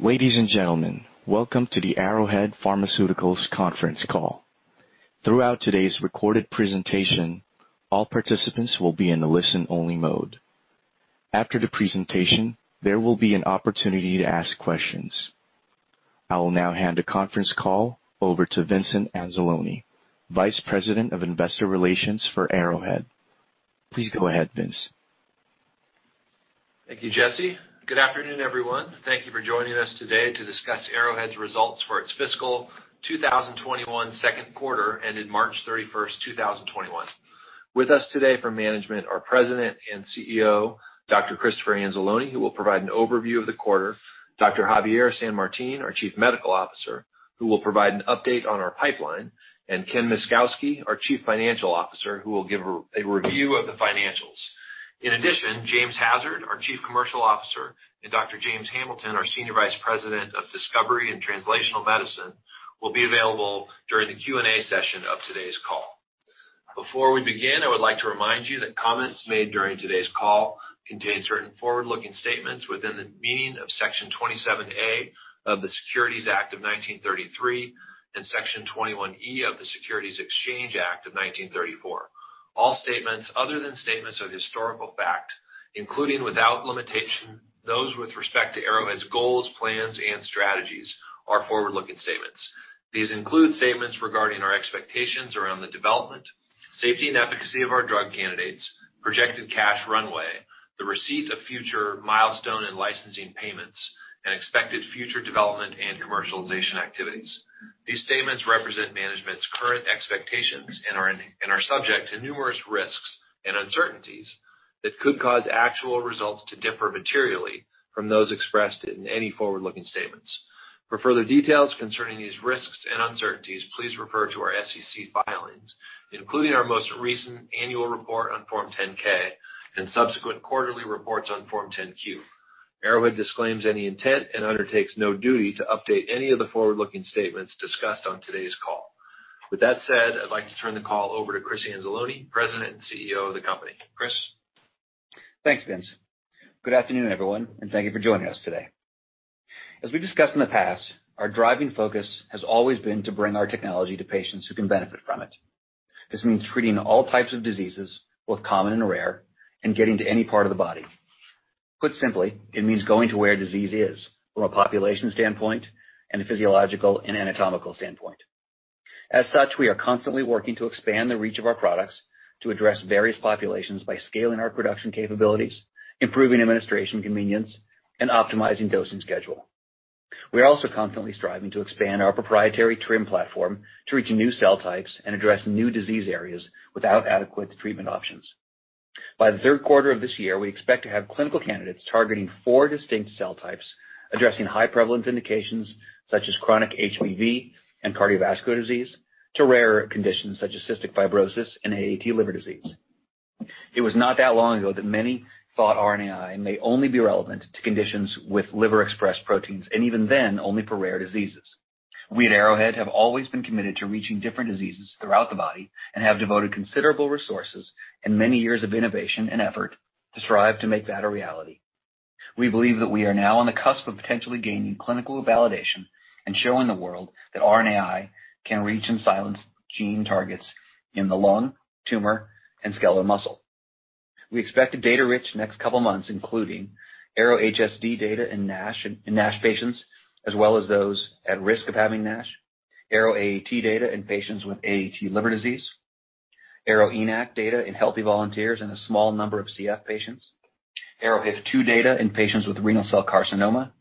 Ladies and gentlemen, welcome to the Arrowhead Pharmaceuticals Conference Call. Throughout today's recorded presentation, all participants will be in a listen-only mode. After the presentation, there will be an opportunity to ask questions. I will now hand the conference call over to Vincent Anzalone, Vice President of Investor Relations for Arrowhead. Please go ahead, Vince. Thank you, Jesse. Good afternoon, everyone. Thank you for joining us today to discuss Arrowhead's results for its fiscal 2021 second quarter ended March 31st, 2021. With us today for management, our President and CEO, Dr. Christopher Anzalone, who will provide an overview of the quarter, Dr. Javier San Martin, our Chief Medical Officer, who will provide an update on our pipeline, and Ken Myszkowski, our Chief Financial Officer, who will give a review of the financials. In addition, James Hassard, our Chief Commercial Officer, and Dr. James Hamilton, our Senior Vice President of Discovery and Translational Medicine, will be available during the Q&A session of today's call. Before we begin, I would like to remind you that comments made during today's call contain certain forward-looking statements within the meaning of Section 27A of the Securities Act of 1933 and Section 21E of the Securities Exchange Act of 1934. All statements other than statements of historical fact, including without limitation those with respect to Arrowhead's goals, plans, and strategies, are forward-looking statements. These include statements regarding our expectations around the development, safety, and efficacy of our drug candidates, projected cash runway, the receipt of future milestone and licensing payments, and expected future development and commercialization activities. These statements represent management's current expectations and are subject to numerous risks and uncertainties that could cause actual results to differ materially from those expressed in any forward-looking statements. For further details concerning these risks and uncertainties, please refer to our SEC filings, including our most recent annual report on Form 10-K and subsequent quarterly reports on Form 10-Q. Arrowhead disclaims any intent and undertakes no duty to update any of the forward-looking statements discussed on today's call. With that said, I'd like to turn the call over to Chris Anzalone, President and CEO of the company. Chris? Thanks, Vince. Good afternoon, everyone, thank you for joining us today. As we've discussed in the past, our driving focus has always been to bring our technology to patients who can benefit from it. This means treating all types of diseases, both common and rare, and getting to any part of the body. Put simply, it means going to where disease is from a population standpoint and a physiological and anatomical standpoint. As such, we are constantly working to expand the reach of our products to address various populations by scaling our production capabilities, improving administration convenience, and optimizing dosing schedule. We are also constantly striving to expand our proprietary TRiM platform to reach new cell types and address new disease areas without adequate treatment options. By the third quarter of this year, we expect to have clinical candidates targeting four distinct cell types, addressing high-prevalence indications such as chronic HBV and cardiovascular disease to rarer conditions such as cystic fibrosis and AAT liver disease. It was not that long ago that many thought RNAi may only be relevant to conditions with liver-expressed proteins, and even then, only for rare diseases. We at Arrowhead have always been committed to reaching different diseases throughout the body and have devoted considerable resources and many years of innovation and effort to strive to make that a reality. We believe that we are now on the cusp of potentially gaining clinical validation and showing the world that RNAi can reach and silence gene targets in the lung, tumor, and skeletal muscle. We expect a data-rich next couple of months, including ARO-HSD data in NASH patients, as well as those at risk of having NASH, ARO-AAT data in patients with AAT liver disease, ARO-ENaC data in healthy volunteers and a small number of CF patients, ARO-HIF2 data in patients with renal cell carcinoma,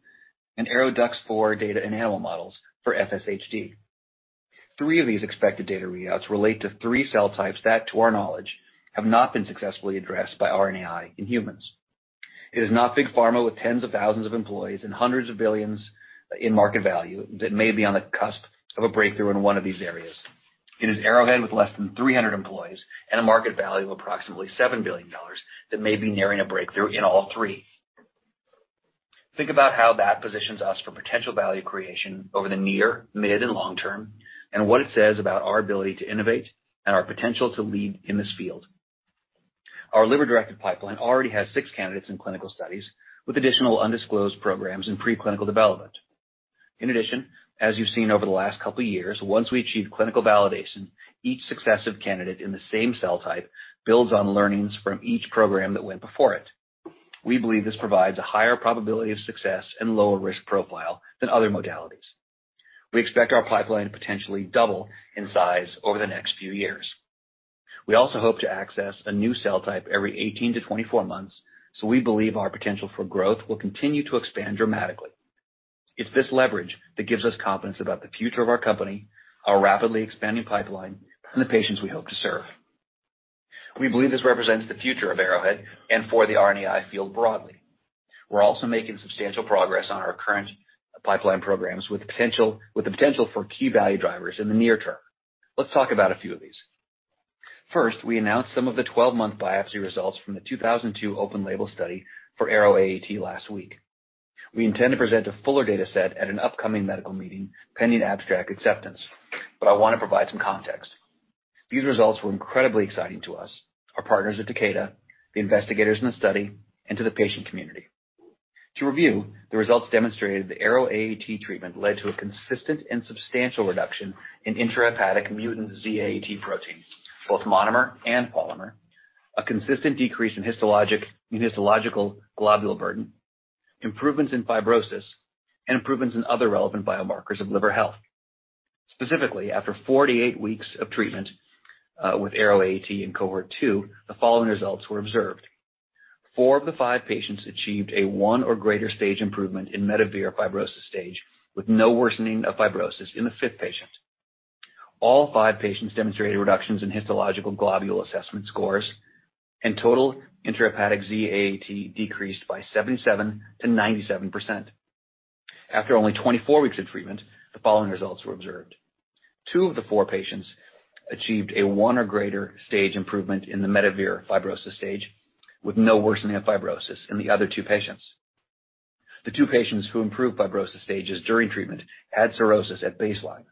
and ARO-DUX4 data in animal models for FSHD. Three of these expected data readouts relate to three cell types that, to our knowledge, have not been successfully addressed by RNAi in humans. It is not big pharma with tens of thousands of employees and hundreds of billions in market value that may be on the cusp of a breakthrough in one of these areas. It is Arrowhead, with less than 300 employees and a market value of approximately $7 billion, that may be nearing a breakthrough in all three. Think about how that positions us for potential value creation over the near, mid, and long term and what it says about our ability to innovate and our potential to lead in this field. Our liver-directed pipeline already has six candidates in clinical studies, with additional undisclosed programs in preclinical development. As you've seen over the last couple of years, once we achieve clinical validation, each successive candidate in the same cell type builds on learnings from each program that went before it. We believe this provides a higher probability of success and lower risk profile than other modalities. We expect our pipeline to potentially double in size over the next few years. We also hope to access a new cell type every 18 to 24 months, so we believe our potential for growth will continue to expand dramatically. It's this leverage that gives us confidence about the future of our company, our rapidly expanding pipeline, and the patients we hope to serve. We believe this represents the future of Arrowhead and for the RNAi field broadly. We're also making substantial progress on our current pipeline programs with the potential for key value drivers in the near term. Let's talk about a few of these. First, we announced some of the 12-month biopsy results from the 2002 open label study for ARO-AAT last week. We intend to present a fuller data set at an upcoming medical meeting pending abstract acceptance, but I want to provide some context. These results were incredibly exciting to us, our partners at Takeda, the investigators in the study, and to the patient community. To review, the results demonstrated the ARO-AAT treatment led to a consistent and substantial reduction in intrahepatic mutant Z-AAT protein, both monomer and polymer, a consistent decrease in histologic and histological globule burden, improvements in fibrosis, and improvements in other relevant biomarkers of liver health. Specifically, after 48 weeks of treatment with ARO-AAT in cohort 2, the following results were observed. Four of the five patients achieved a one or greater stage improvement in METAVIR fibrosis stage, with no worsening of fibrosis in the fifth patient. All five patients demonstrated reductions in histological globule assessment scores, and total intrahepatic Z-AAT decreased by 77% to 97%. After only 24 weeks of treatment, the following results were observed. Two of the four patients achieved a one or greater stage improvement in the METAVIR fibrosis stage, with no worsening of fibrosis in the other two patients. The two patients who improved fibrosis stages during treatment had cirrhosis at baseline.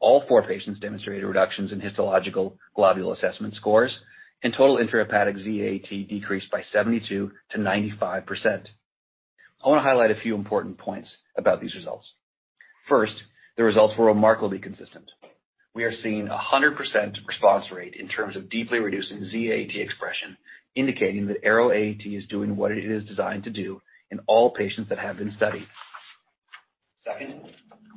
All four patients demonstrated reductions in histological globule assessment scores, and total intrahepatic Z-AAT decreased by 72% to 95%. I want to highlight a few important points about these results. First, the results were remarkably consistent. We are seeing 100% response rate in terms of deeply reducing Z-AAT expression, indicating that ARO-AAT is doing what it is designed to do in all patients that have been studied. Second,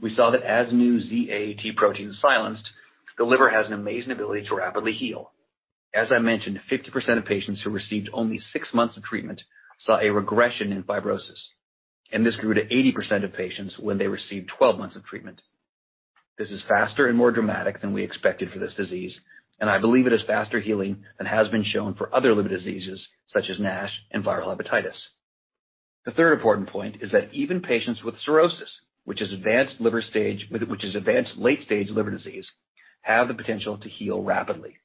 we saw that as new Z-AAT protein is silenced, the liver has an amazing ability to rapidly heal. As I mentioned, 50% of patients who received only six months of treatment saw a regression in fibrosis, and this grew to 80% of patients when they received 12 months of treatment. This is faster and more dramatic than we expected for this disease, and I believe it is faster healing than has been shown for other liver diseases, such as NASH and viral hepatitis. The third important point is that even patients with cirrhosis, which is advanced late-stage liver disease, have the potential to heal rapidly.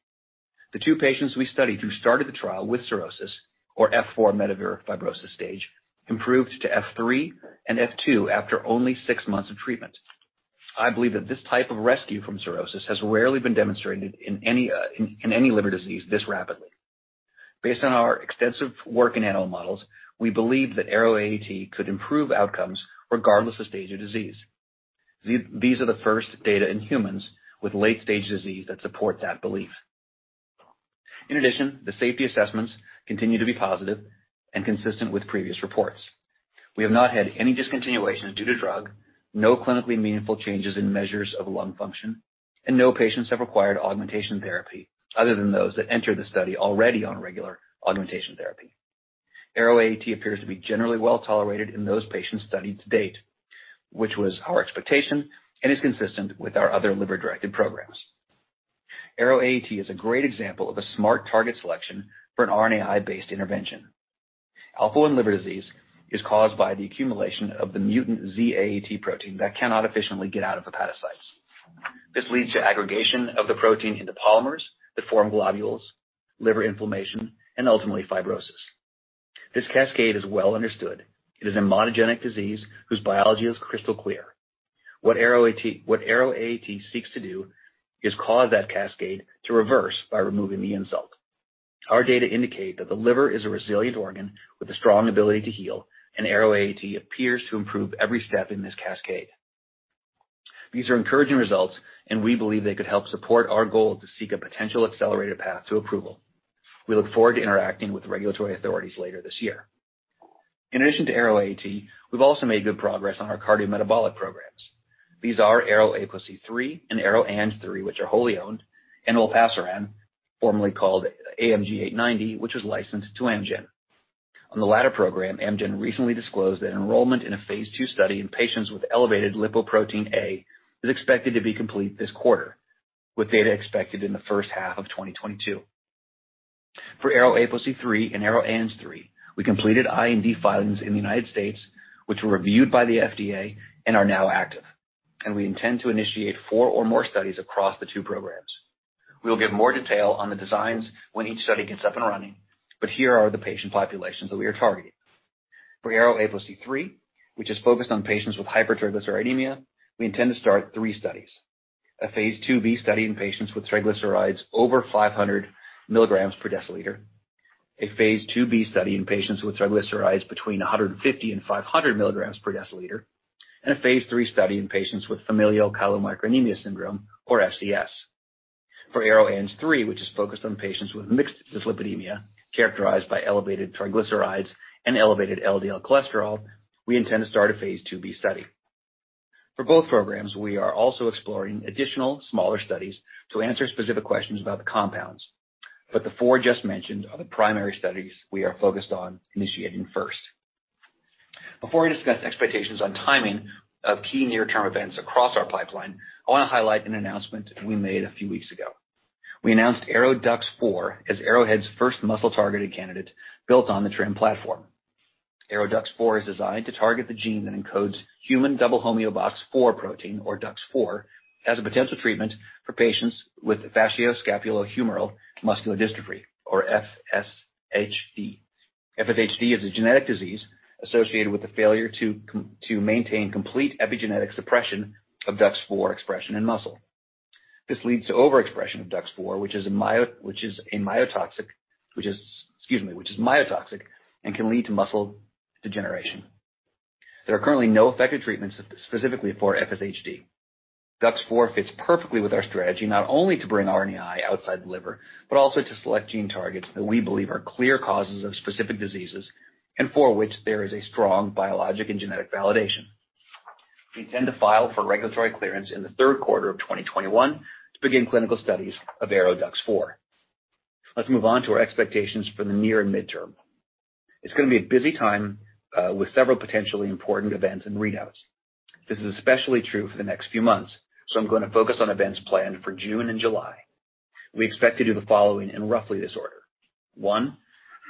The two patients we studied who started the trial with cirrhosis, or F4 METAVIR fibrosis stage, improved to F3 and F2 after only six months of treatment. I believe that this type of rescue from cirrhosis has rarely been demonstrated in any liver disease this rapidly. Based on our extensive work in animal models, we believe that ARO-AAT could improve outcomes regardless of stage of disease. These are the first data in humans with late-stage disease that support that belief. In addition, the safety assessments continue to be positive and consistent with previous reports. We have not had any discontinuations due to drug, no clinically meaningful changes in measures of lung function, and no patients have required augmentation therapy other than those that entered the study already on regular augmentation therapy. ARO-AAT appears to be generally well-tolerated in those patients studied to date, which was our expectation, and is consistent with our other liver-directed programs. ARO-AAT is a great example of a smart target selection for an RNAi-based intervention. Alpha-1 liver disease is caused by the accumulation of the mutant Z-AAT protein that cannot efficiently get out of hepatocytes. This leads to aggregation of the protein into polymers that form globules, liver inflammation, and ultimately fibrosis. This cascade is well understood. It is a monogenic disease whose biology is crystal clear. What ARO-AAT seeks to do is cause that cascade to reverse by removing the insult. Our data indicate that the liver is a resilient organ with a strong ability to heal, and ARO-AAT appears to improve every step in this cascade. These are encouraging results, and we believe they could help support our goal to seek a potential accelerated path to approval. We look forward to interacting with regulatory authorities later this year. In addition to ARO-AAT, we've also made good progress on our cardiometabolic programs. These are ARO-APOC3 and ARO-ANG3, which are wholly owned, and Olpasiran, formerly called AMG 890, which was licensed to Amgen. On the latter program, Amgen recently disclosed that enrollment in a phase II study in patients with elevated lipoprotein(a) is expected to be complete this quarter, with data expected in the first half of 2022. For ARO-APOC3 and ARO-ANG3, we completed IND filings in the United States, which were reviewed by the FDA and are now active, and we intend to initiate four or more studies across the two programs. We will give more detail on the designs when each study gets up and running, but here are the patient populations that we are targeting. For ARO-APOC3, which is focused on patients with hypertriglyceridemia, we intend to start three studies, a phase II-B study in patients with triglycerides over 500 mg/dL, a phase II-B study in patients with triglycerides between 150 and 500 mg/dL, and a phase III study in patients with familial chylomicronemia syndrome, or FCS. For ARO-ANG3, which is focused on patients with mixed dyslipidemia, characterized by elevated triglycerides and elevated LDL cholesterol, we intend to start a phase II-B study. For both programs, we are also exploring additional smaller studies to answer specific questions about the compounds. The four just mentioned are the primary studies we are focused on initiating first. Before I discuss expectations on timing of key near-term events across our pipeline, I want to highlight an announcement we made a few weeks ago. We announced ARO-DUX4 as Arrowhead's first muscle-targeted candidate built on the TRiM platform. ARO-DUX4 is designed to target the gene that encodes human double homeobox 4 protein, or DUX4, as a potential treatment for patients with facioscapulohumeral muscular dystrophy, or FSHD. FSHD is a genetic disease associated with the failure to maintain complete epigenetic suppression of DUX4 expression in muscle. This leads to overexpression of DUX4, which is myotoxic and can lead to muscle degeneration. There are currently no effective treatments specifically for FSHD. DUX4 fits perfectly with our strategy, not only to bring RNAi outside the liver, but also to select gene targets that we believe are clear causes of specific diseases, and for which there is a strong biologic and genetic validation. We intend to file for regulatory clearance in the third quarter of 2021 to begin clinical studies of ARO-DUX4. Let's move on to our expectations for the near and midterm. It's going to be a busy time with several potentially important events and readouts. This is especially true for the next few months, so I'm going to focus on events planned for June and July. We expect to do the following in roughly this order. One,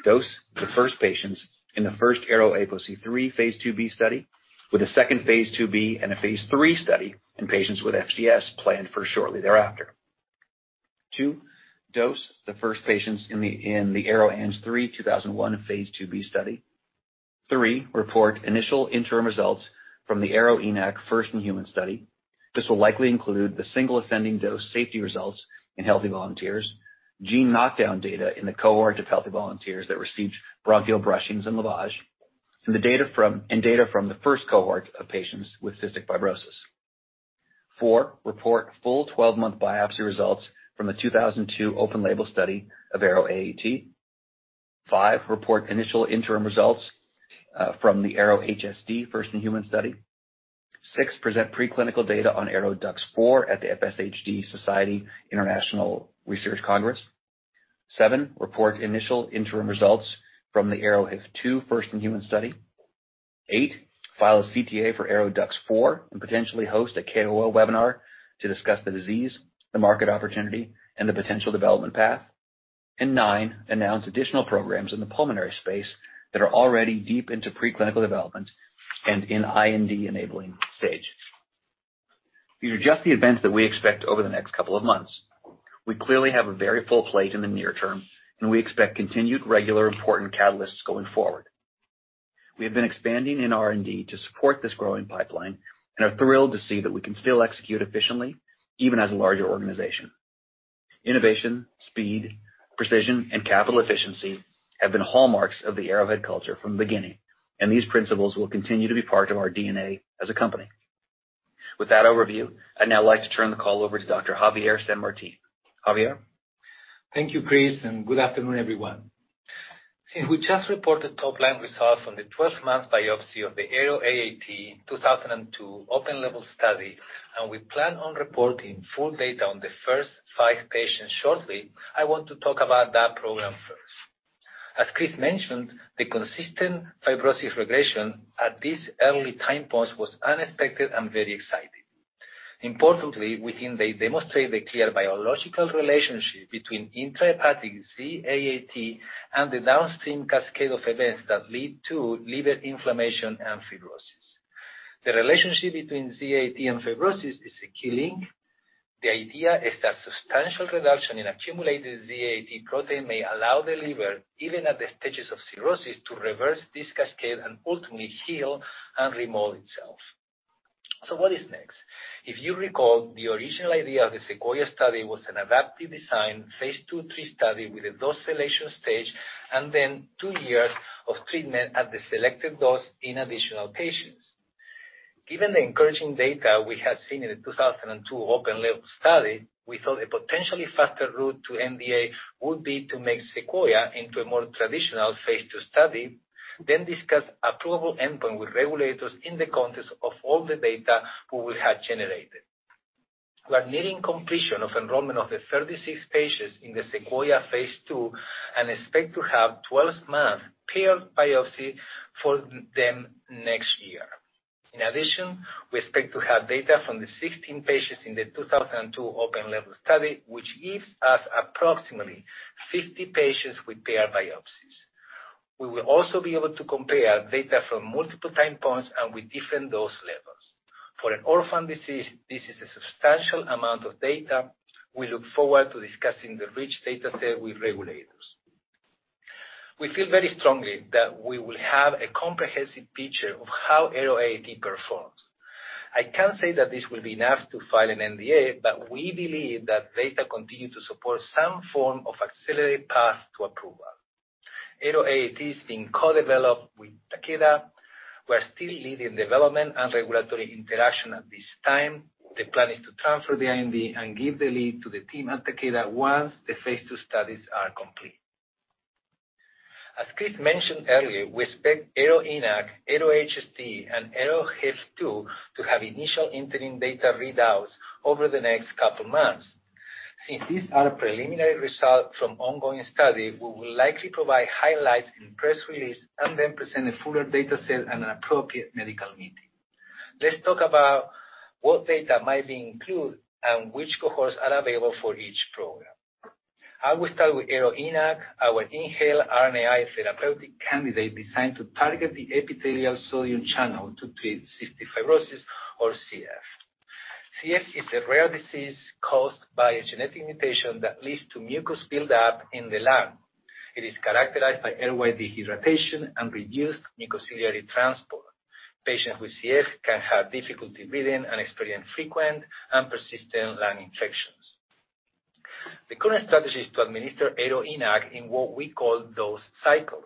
dose the first patients in the first ARO-APOC3 phase II-B study, with a second phase II-B and a phase III study in patients with FCS planned for shortly thereafter. Two, dose the first patients in the ARO-ANG3 2001 phase II-B study. Three, report initial interim results from the ARO-ENaC first-in-human study. This will likely include the single ascending dose safety results in healthy volunteers, gene knockdown data in the cohort of healthy volunteers that received bronchial brushings and lavage, and data from the first cohort of patients with cystic fibrosis. Four, report full 12-month biopsy results from the 2002 open label study of ARO-AAT. Five, report initial interim results from the ARO-HSD first-in-human study. Six, present preclinical data on ARO-DUX4 at the FSHD Society International Research Congress. Seven, report initial interim results from the ARO-HIF2 first-in-human study. Eight, file a CTA for ARO-DUX4 and potentially host a KOL webinar to discuss the disease, the market opportunity, and the potential development path. Nine, announce additional programs in the pulmonary space that are already deep into preclinical development and in IND-enabling stage. These are just the events that we expect over the next couple of months. We clearly have a very full plate in the near term, we expect continued regular important catalysts going forward. We have been expanding in R&D to support this growing pipeline and are thrilled to see that we can still execute efficiently, even as a larger organization. Innovation, speed, precision, and capital efficiency have been hallmarks of the Arrowhead culture from the beginning, these principles will continue to be part of our DNA as a company. With that overview, I'd now like to turn the call over to Dr. Javier San Martin. Javier? Thank you, Chris, and good afternoon, everyone. Since we just reported top-line results from the 12-month biopsy of the ARO-AAT 2002 open label study, and we plan on reporting full data on the first five patients shortly, I want to talk about that program first. As Chris mentioned, the consistent fibrosis regression at this early time point was unexpected and very exciting. Importantly, we think they demonstrate the clear biological relationship between intrahepatic Z-AAT and the downstream cascade of events that lead to liver inflammation and fibrosis. The relationship between Z-AAT and fibrosis is a key link. The idea is that substantial reduction in accumulated Z-AAT protein may allow the liver, even at the stages of cirrhosis, to reverse this cascade and ultimately heal and remodel itself. What is next? If you recall, the original idea of the SEQUOIA study was an adaptive design phase II/III study with a dose selection stage and then two years of treatment at the selected dose in additional patients. Given the encouraging data we have seen in the 2002 open label study, we thought a potentially faster route to NDA would be to make SEQUOIA into a more traditional phase II study, then discuss approvable endpoint with regulators in the context of all the data we will have generated. We are nearing completion of enrollment of the 36 patients in the SEQUOIA phase II and expect to have 12 months paired biopsy for them next year. In addition, we expect to have data from the 16 patients in the 2002 open label study, which gives us approximately 50 patients with paired biopsies. We will also be able to compare data from multiple time points and with different dose levels. For an orphan disease, this is a substantial amount of data. We look forward to discussing the rich data set with regulators. We feel very strongly that we will have a comprehensive picture of how ARO-AAT performs. I can't say that this will be enough to file an NDA. We believe that data continue to support some form of accelerated path to approval. ARO-AAT is being co-developed with Takeda, who are still leading development and regulatory interaction at this time. The plan is to transfer the IND and give the lead to the team at Takeda once the phase II studies are complete. As Chris mentioned earlier, we expect ARO-ENaC, ARO-HSD, and ARO-HIF2 to have initial interim data readouts over the next couple months. Since these are preliminary results from ongoing study, we will likely provide highlights in press release and then present a fuller data set at an appropriate medical meeting. Let's talk about what data might be included and which cohorts are available for each program. I will start with ARO-ENaC, our inhaled RNAi therapeutic candidate designed to target the epithelial sodium channel to treat cystic fibrosis or CF. CF is a rare disease caused by a genetic mutation that leads to mucus buildup in the lung. It is characterized by airway dehydration and reduced mucociliary transport. Patients with CF can have difficulty breathing and experience frequent and persistent lung infections. The current strategy is to administer ARO-ENaC in what we call dose cycles.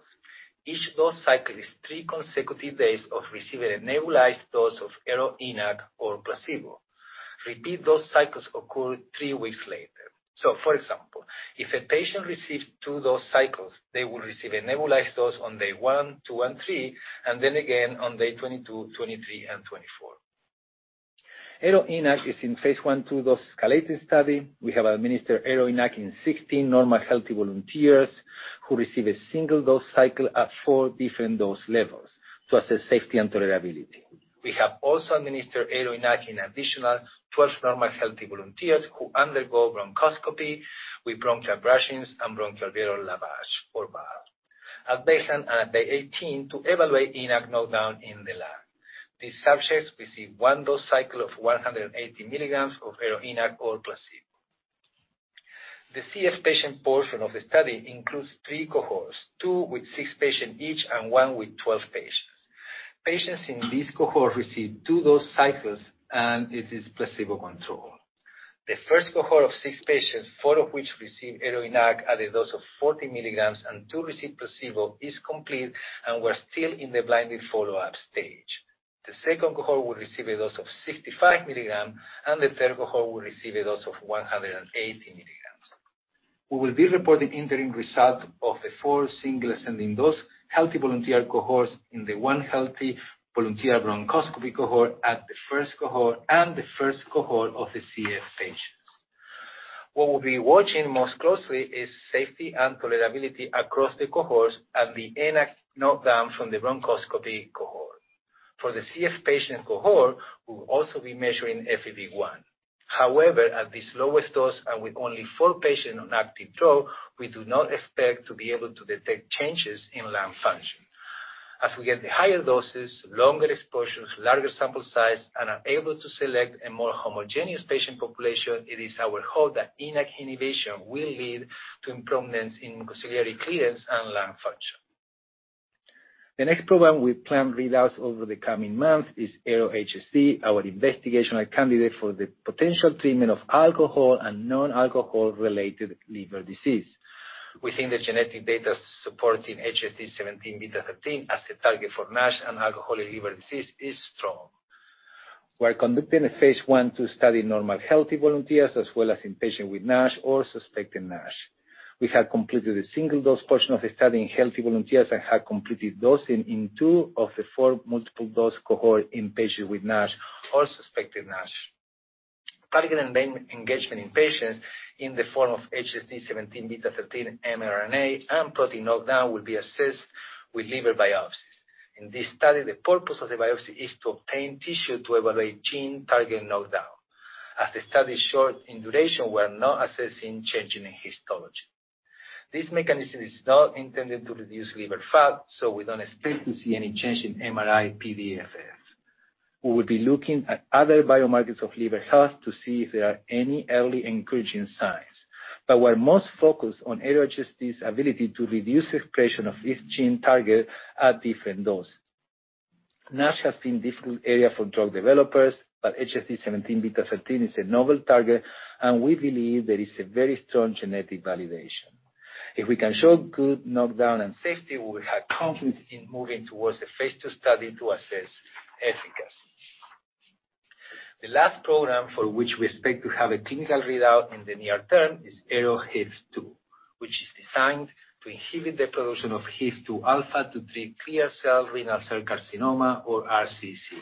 Each dose cycle is three consecutive days of receiving a nebulized dose of ARO-ENaC or placebo. Repeat dose cycles occur three weeks later. For example, if a patient receives two dose cycles, they will receive a nebulized dose on day 1, 2, and 3, and then again on day 22, 23, and 24. ARO-ENaC is in phase I/II dose-escalating study. We have administered ARO-ENaC in 16 normal healthy volunteers who receive a single dose cycle at four different dose levels to assess safety and tolerability. We have also administered ARO-ENaC in additional 12 normal healthy volunteers who undergo bronchoscopy with bronchial brushings and bronchoalveolar lavage, or BAL, at baseline and at day 18 to evaluate ENaC knockdown in the lung. These subjects receive one dose cycle of 180 mg of ARO-ENaC or placebo. The CF patient portion of the study includes three cohorts, two with six patients each and one with 12 patients. Patients in this cohort receive two dose cycles, and it is placebo-controlled. The first cohort of six patients, four of which receive ARO-ENaC at a dose of 40 mg and two receive placebo, is complete, and we're still in the blinded follow-up stage. The second cohort will receive a dose of 65 mg, and the third cohort will receive a dose of 180 mg. We will be reporting interim results of the four single-ascending dose healthy volunteer cohorts in the one healthy volunteer bronchoscopy cohort at the first cohort and the first cohort of the CF patients. What we'll be watching most closely is safety and tolerability across the cohorts and the ENaC knockdown from the bronchoscopy cohort. For the CF patient cohort, we'll also be measuring FEV1. However, at this lowest dose and with only four patients on active drug, we do not expect to be able to detect changes in lung function. As we get the higher doses, longer exposures, larger sample size, and are able to select a more homogeneous patient population, it is our hope that ENaC inhibition will lead to improvements in mucociliary clearance and lung function. The next program we plan readouts over the coming months is ARO-HSD, our investigational candidate for the potential treatment of alcohol and non-alcohol related liver disease. We think the genetic data supporting HSD17B13 as a target for NASH and alcoholic liver disease is strong. We're conducting a phase I/II study in normal healthy volunteers as well as in patients with NASH or suspected NASH. We have completed a single dose portion of the study in healthy volunteers and have completed dosing in two of the four multiple-dose cohort in patients with NASH or suspected NASH. Target engagement in patients in the form of HSD17B13 mRNA and protein knockdown will be assessed with liver biopsies. In this study, the purpose of the biopsy is to obtain tissue to evaluate gene target knockdown. As the study is short in duration, we're not assessing change in histology. This mechanism is not intended to reduce liver fat. We don't expect to see any change in MRI-PDFF. We will be looking at other biomarkers of liver health to see if there are any early encouraging signs. We're most focused on ARO-HSD's ability to reduce expression of this gene target at different doses. NASH has been a difficult area for drug developers, but HSD17B13 is a novel target, and we believe there is a very strong genetic validation. If we can show good knockdown and safety, we will have confidence in moving towards a phase II study to assess efficacy. The last program for which we expect to have a clinical readout in the near term is ARO-HIF2, which is designed to inhibit the production of HIF-2-alpha to treat clear cell renal cell carcinoma or RCC.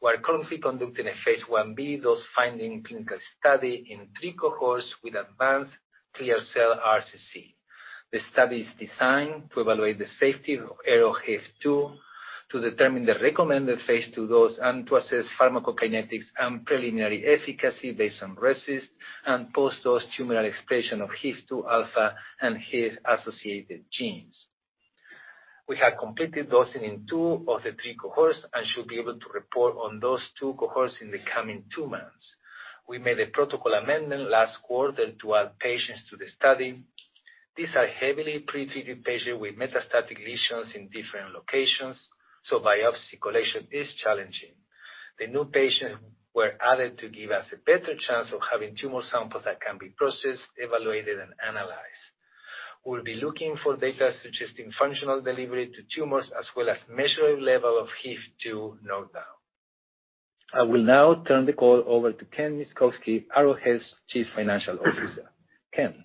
We're currently conducting a phase I-B dose-finding clinical study in three cohorts with advanced clear cell RCC. The study is designed to evaluate the safety of ARO-HIF2 to determine the recommended phase II dose and to assess pharmacokinetics and preliminary efficacy based on RECIST and post-dose tumor expression of HIF-2-alpha and HIF-associated genes. We have completed dosing in two of the three cohorts and should be able to report on those two cohorts in the coming two months. We made a protocol amendment last quarter to add patients to the study. These are heavily pre-treated patients with metastatic lesions in different locations, so biopsy collection is challenging. The new patients were added to give us a better chance of having tumor samples that can be processed, evaluated, and analyzed. We'll be looking for data suggesting functional delivery to tumors as well as measurable level of HIF-2 knockdown. I will now turn the call over to Ken Myszkowski, Arrowhead's Chief Financial Officer. Ken?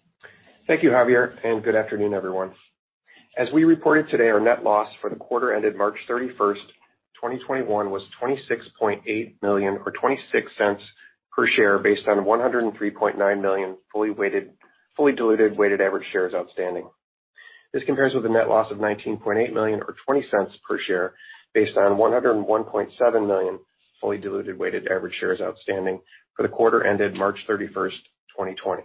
Thank you, Javier. Good afternoon, everyone. As we reported today, our net loss for the quarter ended March 31st, 2021, was $26.8 million or $0.26 per share based on 103.9 million fully diluted weighted average shares outstanding. This compares with a net loss of $19.8 million or $0.20 per share based on 101.7 million fully diluted weighted average shares outstanding for the quarter ended March 31st, 2020.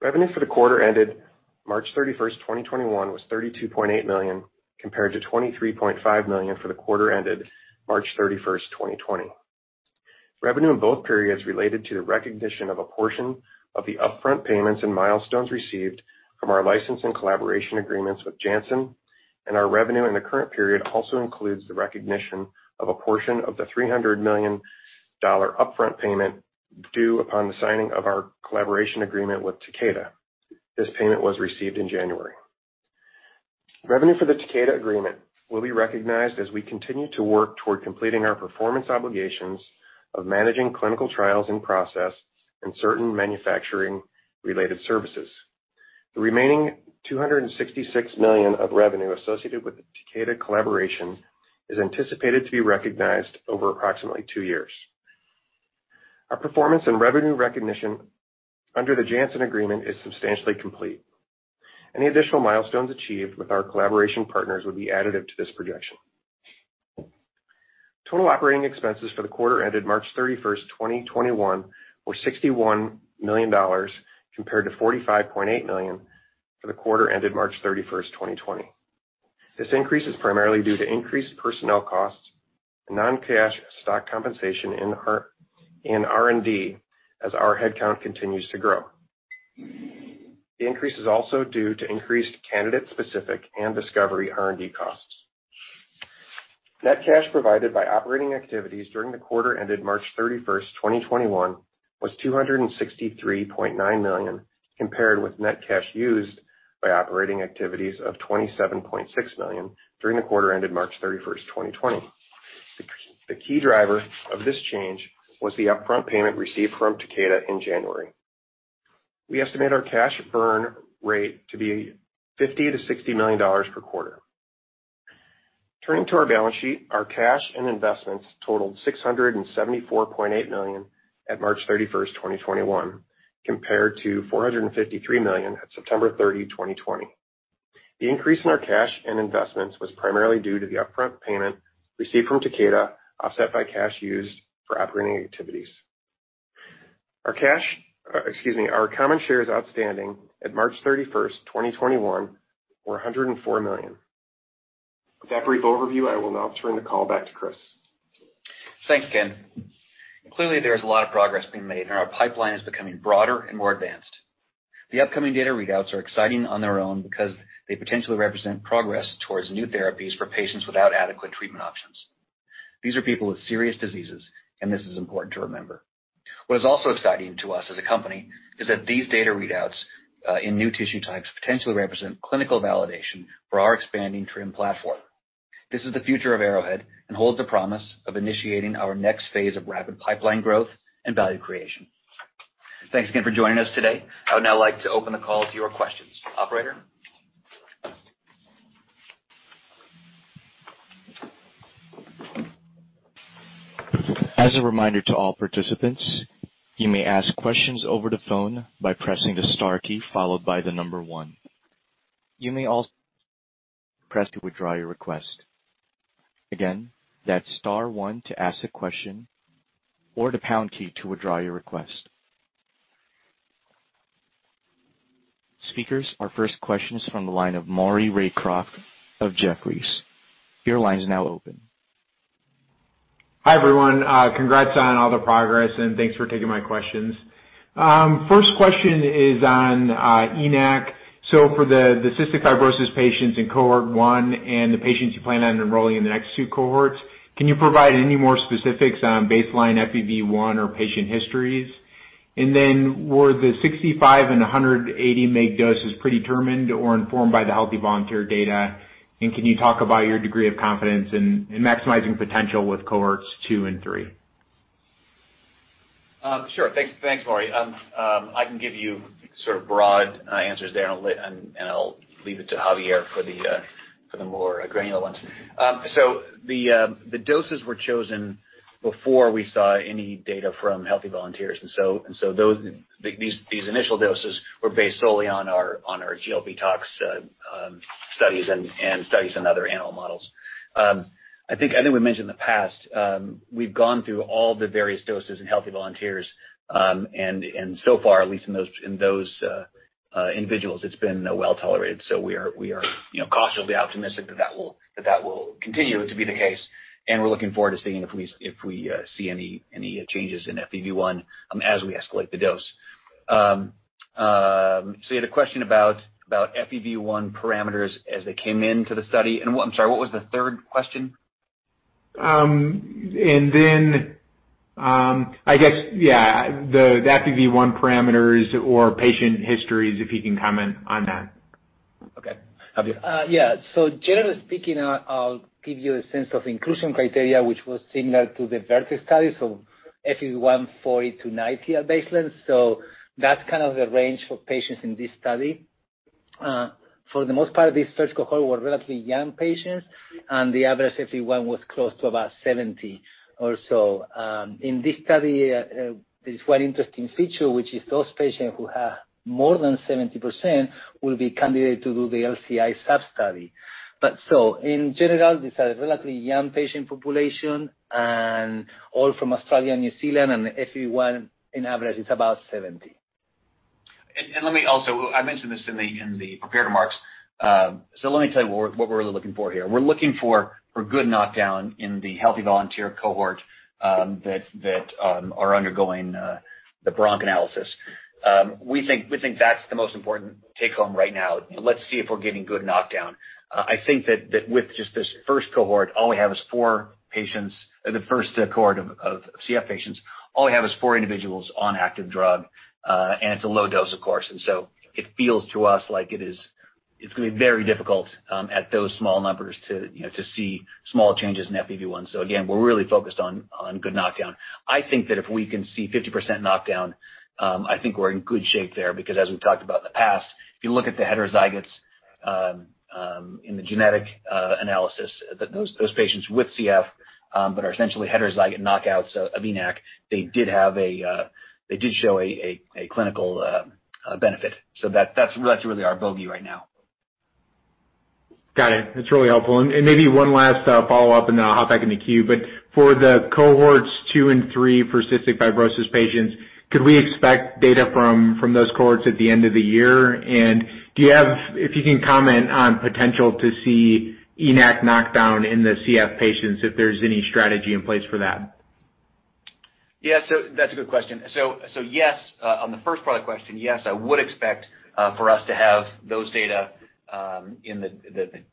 Revenue for the quarter ended March 31st, 2021 was $32.8 million compared to $23.5 million for the quarter ended March 31st, 2020. Revenue in both periods related to the recognition of a portion of the upfront payments and milestones received from our license and collaboration agreements with Janssen. Our revenue in the current period also includes the recognition of a portion of the $300 million upfront payment due upon the signing of our collaboration agreement with Takeda. This payment was received in January. Revenue for the Takeda agreement will be recognized as we continue to work toward completing our performance obligations of managing clinical trials in process and certain manufacturing-related services. The remaining $266 million of revenue associated with the Takeda collaboration is anticipated to be recognized over approximately two years. Our performance and revenue recognition under the Janssen agreement is substantially complete. Any additional milestones achieved with our collaboration partners would be additive to this projection. Total operating expenses for the quarter ended March 31st, 2021 were $61 million, compared to $45.8 million for the quarter ended March 31st, 2020. This increase is primarily due to increased personnel costs and non-cash stock compensation in R&D as our head count continues to grow. The increase is also due to increased candidate specific and discovery R&D costs. Net cash provided by operating activities during the quarter ended March 31st, 2021 was $263.9 million, compared with net cash used by operating activities of $27.6 million during the quarter ended March 31st, 2020. The key driver of this change was the upfront payment received from Takeda in January. We estimate our cash burn rate to be $50 million-$60 million per quarter. Turning to our balance sheet, our cash and investments totaled $674.8 million at March 31st, 2021 compared to $453 million at September 30, 2020. The increase in our cash and investments was primarily due to the upfront payment received from Takeda, offset by cash used for operating activities. Our common shares outstanding at March 31st, 2021 were 104 million. With that brief overview, I will now turn the call back to Chris. Thanks, Ken. Clearly there is a lot of progress being made, and our pipeline is becoming broader and more advanced. The upcoming data readouts are exciting on their own because they potentially represent progress towards new therapies for patients without adequate treatment options. These are people with serious diseases, and this is important to remember. What is also exciting to us as a company is that these data readouts in new tissue types potentially represent clinical validation for our expanding TRiM platform. This is the future of Arrowhead and holds the promise of initiating our next phase of rapid pipeline growth and value creation. Thanks again for joining us today. I would now like to open the call to your questions. Operator? As a reminder to all participants, you may ask questions over the phone by pressing the star key followed by the number one. You may also press the pound key to withdraw your request. Again, that's star one to ask a question or the pound key to withdraw your request. Speakers, our first question is from the line of Maury Raycroft of Jefferies. Your line is now open. Hi, everyone. Congrats on all the progress, and thanks for taking my questions. First question is on ENaC. For the cystic fibrosis patients in cohort one and the patients you plan on enrolling in the next two cohorts, can you provide any more specifics on baseline FEV1 or patient histories? Were the 65 and 180 mg doses predetermined or informed by the healthy volunteer data? Can you talk about your degree of confidence in maximizing potential with cohorts two and three? Sure. Thanks, Maury. I can give you sort of broad answers there, and I'll leave it to Javier for the more granular ones. The doses were chosen before we saw any data from healthy volunteers, and so these initial doses were based solely on our GLP tox studies and studies on other animal models. I think we mentioned in the past, we've gone through all the various doses in healthy volunteers, and so far, at least in those individuals, it's been well-tolerated, so we are cautiously optimistic that that will continue to be the case, and we're looking forward to seeing if we see any changes in FEV1 as we escalate the dose. You had a question about FEV1 parameters as they came into the study, and I'm sorry, what was the third question? I guess, yeah, the FEV1 parameters or patient histories, if you can comment on that? Okay. Javier? Yeah. Generally speaking, I'll give you a sense of inclusion criteria, which was similar to the Vertex study, FEV1 40%-90% at baseline. That's kind of the range for patients in this study. For the most part, this first cohort were relatively young patients, and the average FEV1 was close to about 70% or so. In this study, there's one interesting feature, which is those patients who have more than 70% will be candidate to do the LCI sub-study. In general, these are relatively young patient population and all from Australia and New Zealand, and the FEV1 in average is about 70%. Let me also, I mentioned this in the prepared remarks. Let me tell you what we're really looking for here. We're looking for good knockdown in the healthy volunteer cohort that are undergoing the bronch analysis. We think that's the most important take-home right now. Let's see if we're getting good knockdown. I think that with just this first cohort, all we have is four patients, the first cohort of CF patients, all we have is four individuals on active drug, and it's a low dose, of course. It feels to us like it's going to be very difficult at those small numbers to see small changes in FEV1. Again, we're really focused on good knockdown. I think that if we can see 50% knockdown, I think we're in good shape there because as we've talked about in the past, if you look at the heterozygotes in the genetic analysis, those patients with CF but are essentially heterozygote knockouts of ENaC, they did show a clinical benefit. That's really our bogey right now. Got it. That's really helpful. Maybe one last follow-up and then I'll hop back in the queue, but for the cohorts 2 and 3 for cystic fibrosis patients, could we expect data from those cohorts at the end of the year? If you can comment on potential to see ENaC knockdown in the CF patients, if there's any strategy in place for that? Yeah. That's a good question. Yes, on the first part of the question, yes, I would expect for us to have those data in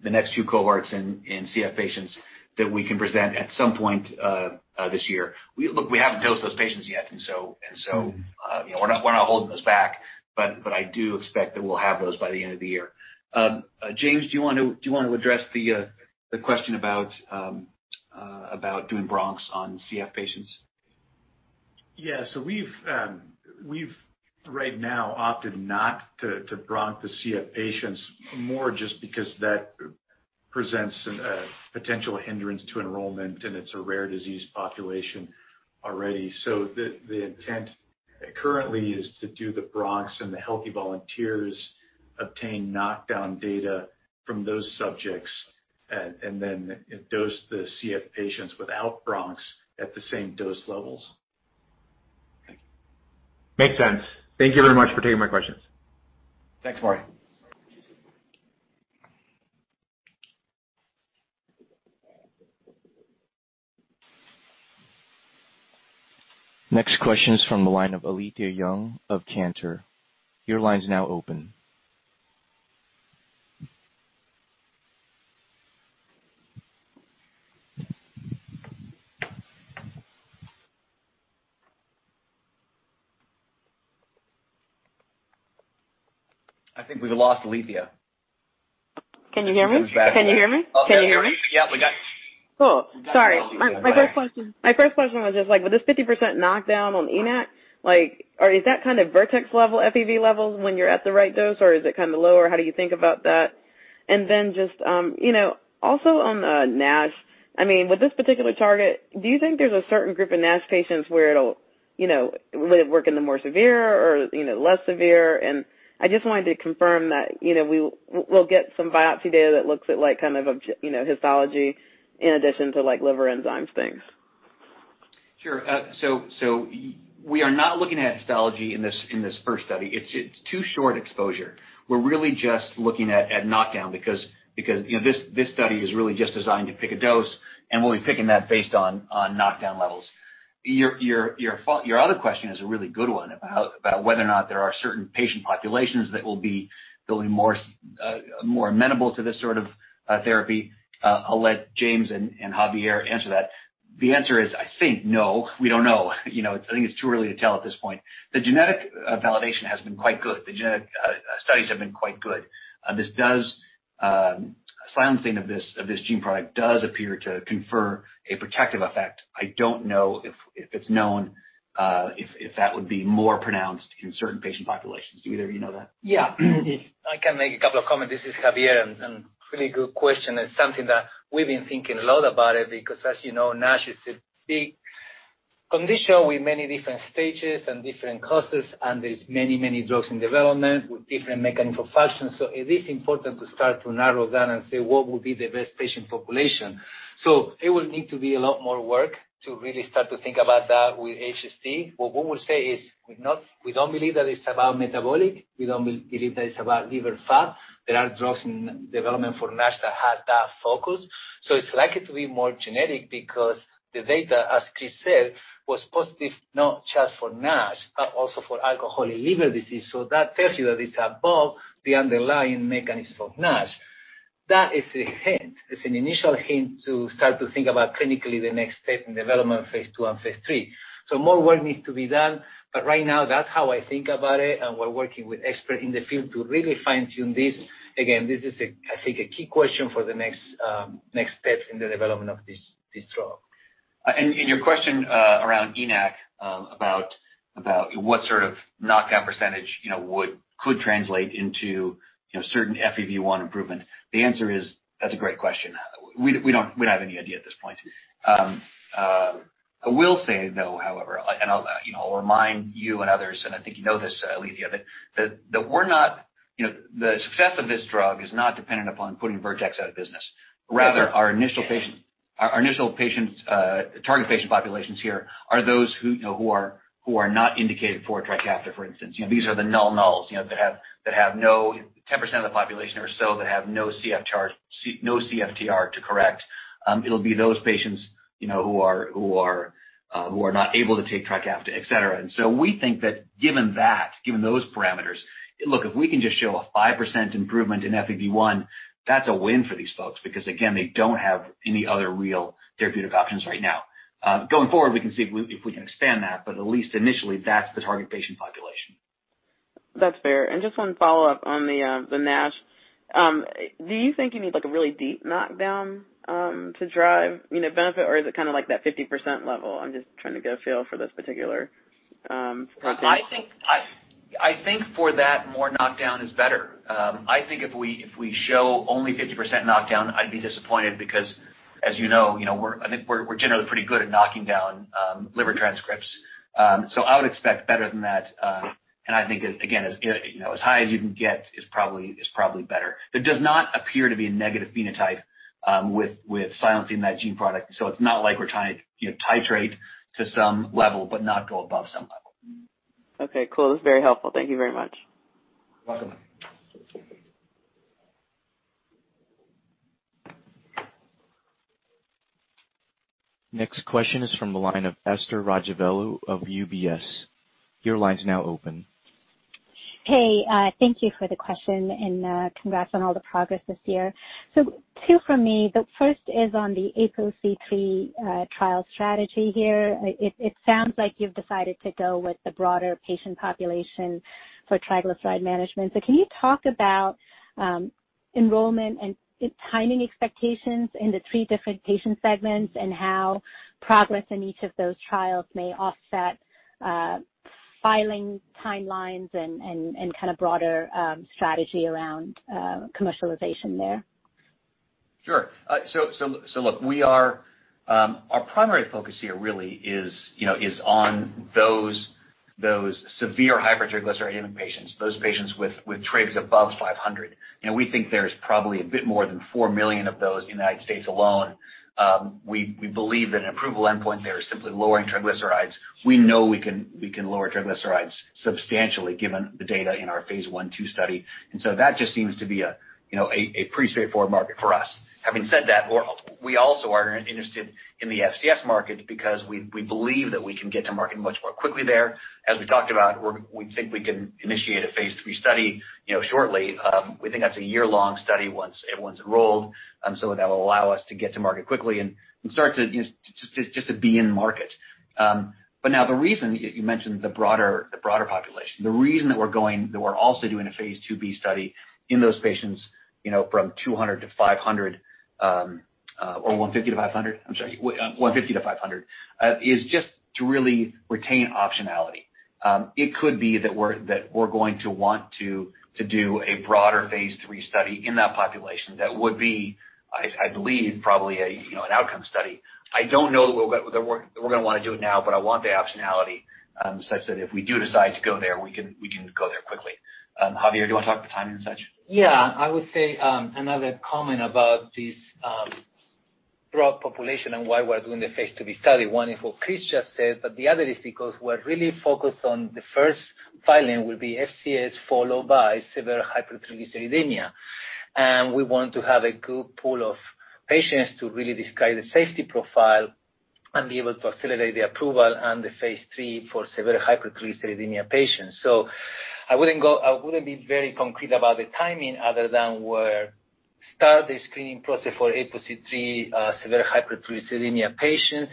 the next few cohorts in CF patients that we can present at some point this year. We haven't dosed those patients yet, so we're not holding this back, but I do expect that we'll have those by the end of the year. James, do you want to address the question about doing bronchs on CF patients? Yeah. We've right now opted not to bronch the CF patients more just because that presents a potential hindrance to enrollment, and it's a rare disease population already. The intent currently is to do the bronchs and the healthy volunteers obtain knockdown data from those subjects and then dose the CF patients without bronchs at the same dose levels. Thank you. Makes sense. Thank you very much for taking my questions. Thanks, Maury. Next question is from the line of Alethia Young of Cantor. Your line's now open. I think we've lost Alethia. Can you hear me? She's back now. Can you hear me? Can you hear me? Yeah, we got you. Cool. Sorry. You're back. My first question was just like, with this 50% knockdown on ENaC, is that kind of Vertex level FEV levels when you're at the right dose, or is it kind of lower? How do you think about that? Just also on NASH, with this particular target, do you think there's a certain group of NASH patients where it'll work in the more severe or less severe? I just wanted to confirm that we'll get some biopsy data that looks at like kind of histology in addition to liver enzymes things. Sure. We are not looking at histology in this first study. It's too short exposure. We're really just looking at knockdown because this study is really just designed to pick a dose, and we'll be picking that based on knockdown levels. Your other question is a really good one about whether or not there are certain patient populations that will be more amenable to this sort of therapy. I'll let James and Javier answer that. The answer is, I think no. We don't know. I think it's too early to tell at this point. The genetic validation has been quite good. The genetic studies have been quite good. Silencing of this gene product does appear to confer a protective effect. I don't know if it's known if that would be more pronounced in certain patient populations. Do either of you know that? Yeah. If I can make a couple of comments. This is Javier. Really good question, and something that we've been thinking a lot about it because as you know, NASH is a big condition with many different stages and different causes, and there's many, many drugs in development with different mechanism of action. It is important to start to narrow down and say what would be the best patient population. It will need to be a lot more work to really start to think about that with HSD. What we will say is we don't believe that it's about metabolic, we don't believe that it's about liver fat. There are drugs in development for NASH that have that focus. It's likely to be more genetic because the data, as Chris said, was positive, not just for NASH, but also for alcoholic liver disease. That tells you that it's above the underlying mechanisms of NASH. That is a hint. It's an initial hint to start to think about clinically the next step in development of phase II and phase III. More work needs to be done. Right now, that's how I think about it, and we're working with experts in the field to really fine-tune this. Again, this is, I think, a key question for the next steps in the development of this drug. Your question around ENaC about what sort of knockout percentage could translate into certain FEV1 improvement. The answer is, that's a great question. We don't have any idea at this point. I will say, though, however, and I'll remind you and others, and I think you know this, Alethia, that the success of this drug is not dependent upon putting Vertex out of business. Rather, our initial target patient populations here are those who are not indicated for Trikafta, for instance. These are the nulls, 10% of the population or so that have no CFTR to correct. It'll be those patients who are not able to take Trikafta, etc. We think that given those parameters, look, if we can just show a 5% improvement in FEV1, that's a win for these folks because, again, they don't have any other real therapeutic options right now. Going forward, we can see if we can expand that, but at least initially, that's the target patient population. That's fair. Just one follow-up on the NASH. Do you think you need a really deep knockdown to drive benefit, or is it like that 50% level? I'm just trying to get a feel for this particular front end. I think for that, more knockdown is better. I think if we show only 50% knockdown, I'd be disappointed because, as you know, I think we're generally pretty good at knocking down liver transcripts. I would expect better than that, and I think, again, as high as you can get is probably better. There does not appear to be a negative phenotype with silencing that gene product. It's not like we're trying to titrate to some level but not go above some level. Okay, cool. That's very helpful. Thank you very much. Welcome. Next question is from the line of Esther Rajavelu of UBS. Your line's now open. Hey, thank you for the question, and congrats on all the progress this year. Two from me. The first is on the APOC3 trial strategy here. It sounds like you've decided to go with the broader patient population for triglyceride management. Can you talk about enrollment and timing expectations in the three different patient segments and how progress in each of those trials may offset filing timelines and broader strategy around commercialization there? Sure. Look, our primary focus here really is on those severe hypertriglyceridemia patients, those patients with trigs above 500. We think there's probably a bit more than 4 million of those in the United States alone. We believe that an approval endpoint there is simply lowering triglycerides. We know we can lower triglycerides substantially given the data in our phase I/II study. That just seems to be a pretty straightforward market for us. Having said that, we also are interested in the FCS market because we believe that we can get to market much more quickly there. As we talked about, we think we can initiate a phase III study shortly. We think that's a year-long study once everyone's enrolled. That will allow us to get to market quickly and start to just to be in market. You mentioned the broader population. The reason that we're also doing a phase II-B study in those patients from 200 to 500, or 150 to 500, I'm sorry, 150 to 500, is just to really retain optionality. It could be that we're going to want to do a broader phase III study in that population that would be, I believe, probably an outcome study. I don't know that we're going to want to do it now, but I want the optionality such that if we do decide to go there, we can go there quickly. Javier, do you want to talk to timing and such? Yeah. I would say another comment about this broad population and why we're doing the phase II-B study. One is what Chris just said, but the other is because we're really focused on the first filing will be FCS followed by severe hypertriglyceridemia. We want to have a good pool of patients to really describe the safety profile and be able to facilitate the approval and the phase III for severe hypertriglyceridemia patients. I wouldn't be very concrete about the timing other than we'll start the screening process for APOC3 severe hypertriglyceridemia patients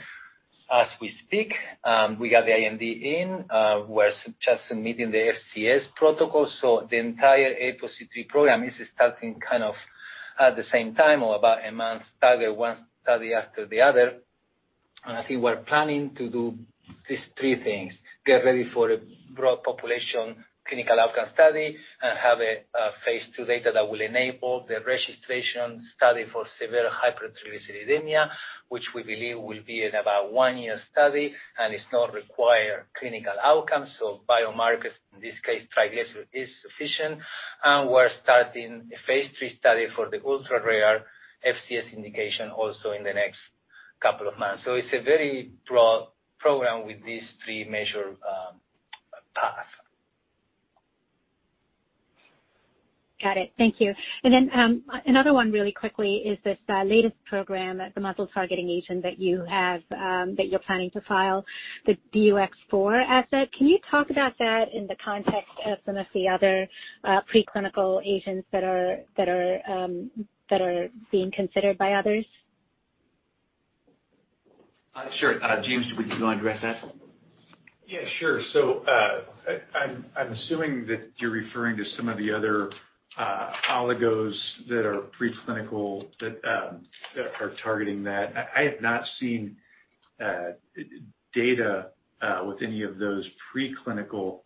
as we speak. We got the IND in. We're just submitting the FCS protocol. The entire APOC3 program is starting at the same time or about a month staggered, one study after the other. I think we're planning to do these three things, get ready for a broad population clinical outcome study, and have a phase II data that will enable the registration study for severe hypertriglyceridemia, which we believe will be an about one-year study and does not require clinical outcomes. Biomarkers, in this case, triglyceride, is sufficient. We're starting a phase III study for the ultra-rare FCS indication also in the next couple of months. It's a very broad program with these three major paths. Got it. Thank you. Another one really quickly is this latest program, the muscle-targeting agent that you're planning to file, the DUX4 asset. Can you talk about that in the context of some of the other preclinical agents that are being considered by others? Sure. James, do you want to address that? Yeah, sure. I'm assuming that you're referring to some of the other oligos that are preclinical that are targeting that. I have not seen data with any of those preclinical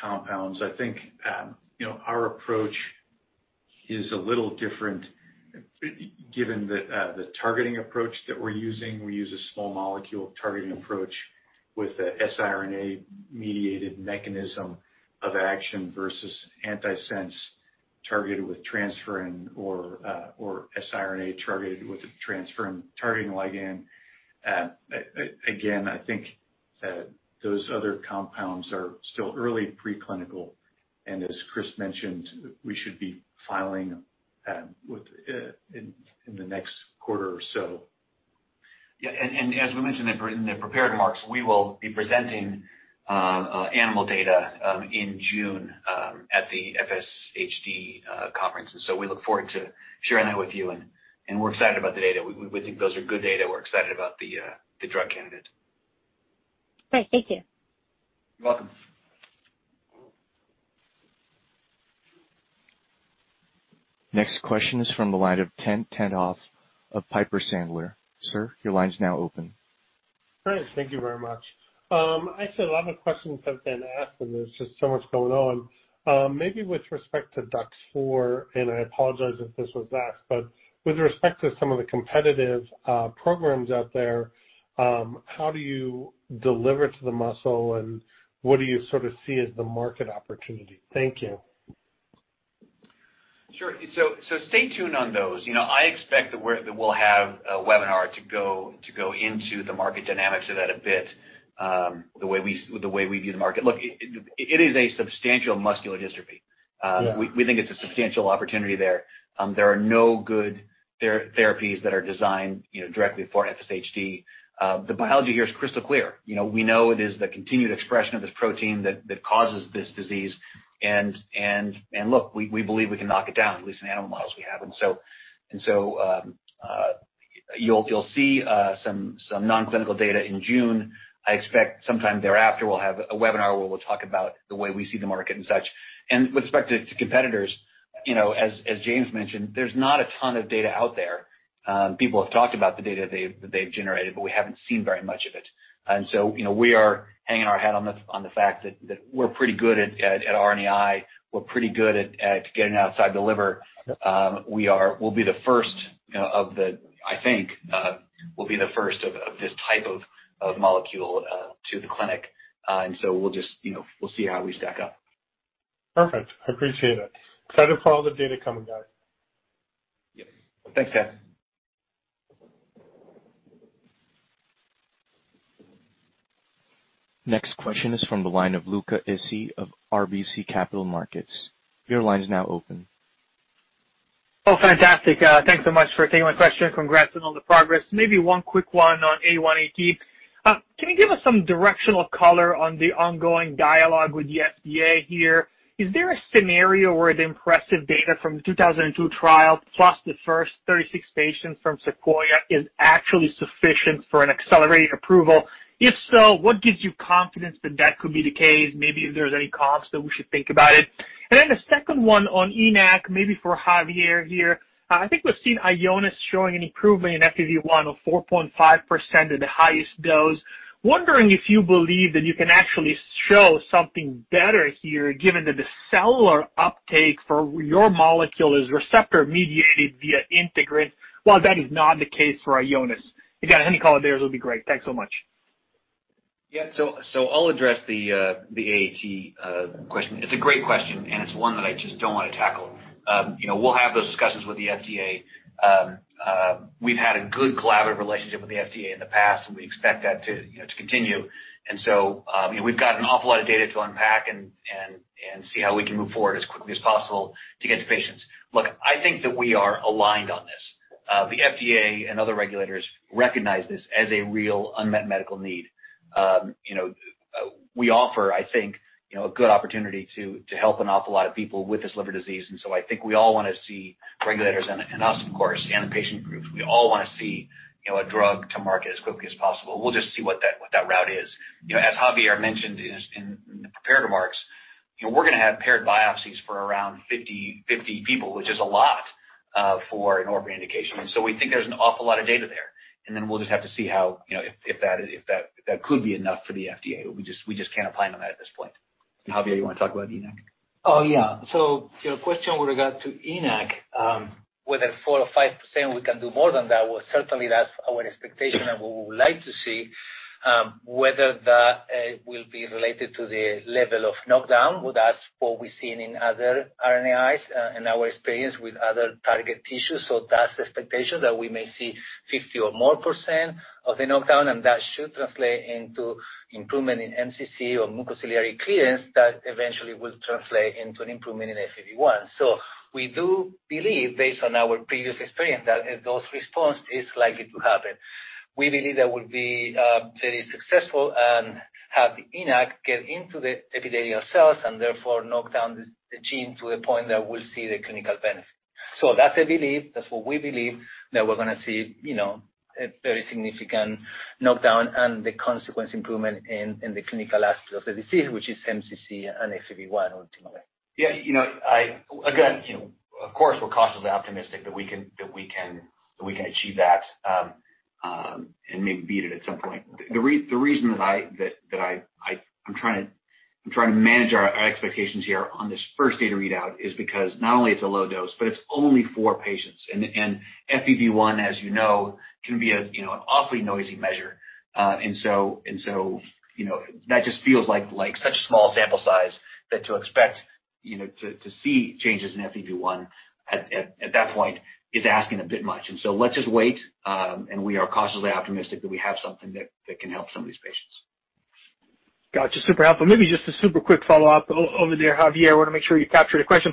compounds. I think our approach is a little different given the targeting approach that we're using. We use a small molecule targeting approach with a siRNA-mediated mechanism of action versus antisense targeted with transferrin or siRNA targeted with a transferrin-targeting ligand. I think those other compounds are still early preclinical, and as Chris mentioned, we should be filing in the next quarter or so. Yeah. As we mentioned in the prepared remarks, we will be presenting animal data in June at the FSHD conference. We look forward to sharing that with you, and we're excited about the data. We think those are good data. We're excited about the drug candidate. Great. Thank you. You're welcome. Next question is from the line of Ted Tenthoff of Piper Sandler. Sir, your line's now open. Great. Thank you very much. Actually, a lot of questions have been asked. There's just so much going on. Maybe with respect to DUX4. I apologize if this was asked. With respect to some of the competitive programs out there, how do you deliver to the muscle? What do you sort of see as the market opportunity? Thank you. Sure. Stay tuned on those. I expect that we'll have a webinar to go into the market dynamics of that a bit, the way we view the market. Look, it is a substantial muscular dystrophy. Yeah. We think it's a substantial opportunity there. There are no good therapies that are designed directly for FSHD. The biology here is crystal clear. We know it is the continued expression of this protein that causes this disease. Look, we believe we can knock it down. At least in animal models, we have. You'll see some non-clinical data in June. I expect sometime thereafter we'll have a webinar where we'll talk about the way we see the market and such. With respect to competitors, as James mentioned, there's not a ton of data out there. People have talked about the data that they've generated, but we haven't seen very much of it. We are hanging our hat on the fact that we're pretty good at RNAi. We're pretty good at getting outside the liver. Yep. We'll be the first of this type of molecule to the clinic. We'll see how we stack up. Perfect. I appreciate it. Excited for all the data coming, guys. Yep. Thanks, Ted. Next question is from the line of Luca Issi of RBC Capital Markets. Your line is now open. Thanks so much for taking my question. Congrats on all the progress. One quick one on AAT. Can you give us some directional color on the ongoing dialogue with the FDA here? Is there a scenario where the impressive data from the 2002 trial, plus the first 36 patients from SEQUOIA, is actually sufficient for an accelerated approval? If so, what gives you confidence that that could be the case? If there's any costs that we should think about it. The second one on ENaC, maybe for Javier here. I think we've seen Ionis showing an improvement in FEV1 of 4.5% at the highest dose. Wondering if you believe that you can actually show something better here, given that the cellular uptake for your molecule is receptor-mediated via integrin, while that is not the case for Ionis. Again, any color there would be great. Thanks so much. Yeah. I'll address the AAT question. It's a great question, and it's one that I just don't want to tackle. We'll have those discussions with the FDA. We've had a good collaborative relationship with the FDA in the past, and we expect that to continue. We've got an awful lot of data to unpack and see how we can move forward as quickly as possible to get to patients. Look, I think that we are aligned on this. The FDA and other regulators recognize this as a real unmet medical need. We offer, I think, a good opportunity to help an awful lot of people with this liver disease, and so I think we all want to see regulators and us, of course, and the patient groups, we all want to see a drug to market as quickly as possible. We'll just see what that route is. As Javier mentioned in the prepared remarks, we're going to have paired biopsies for around 50 people, which is a lot for an orphan indication. So we think there's an awful lot of data there, and then we'll just have to see if that could be enough for the FDA. We just can't opine on that at this point. Javier, you want to talk about ENaC? Your question with regard to ENaC, whether 4% or 5%, we can do more than that. Well, certainly that's our expectation, and we would like to see whether that will be related to the level of knockdown. Well, that's what we've seen in other RNAis in our experience with other target tissues. That's the expectation, that we may see 50% or more of the knockdown, and that should translate into improvement in MCC or mucociliary clearance that eventually will translate into an improvement in FEV1. We do believe, based on our previous experience, that dose response is likely to happen. We believe that we'll be very successful and have the ENaC get into the epithelial cells and therefore knock down the gene to a point that we'll see the clinical benefit. That's a belief, that's what we believe, that we're going to see a very significant knockdown and the consequence improvement in the clinical aspect of the disease, which is MCC and FEV1 ultimately. Again, of course, we're cautiously optimistic that we can achieve that, and maybe beat it at some point. The reason that I'm trying to manage our expectations here on this first data readout is because not only it's a low dose, but it's only four patients. FEV1, as you know, can be an awfully noisy measure. That just feels like such a small sample size that to expect to see changes in FEV1 at that point is asking a bit much. Let's just wait, and we are cautiously optimistic that we have something that can help some of these patients. Got you. Super helpful. Maybe just a super quick follow-up. Over there, Javier, I want to make sure you captured the question.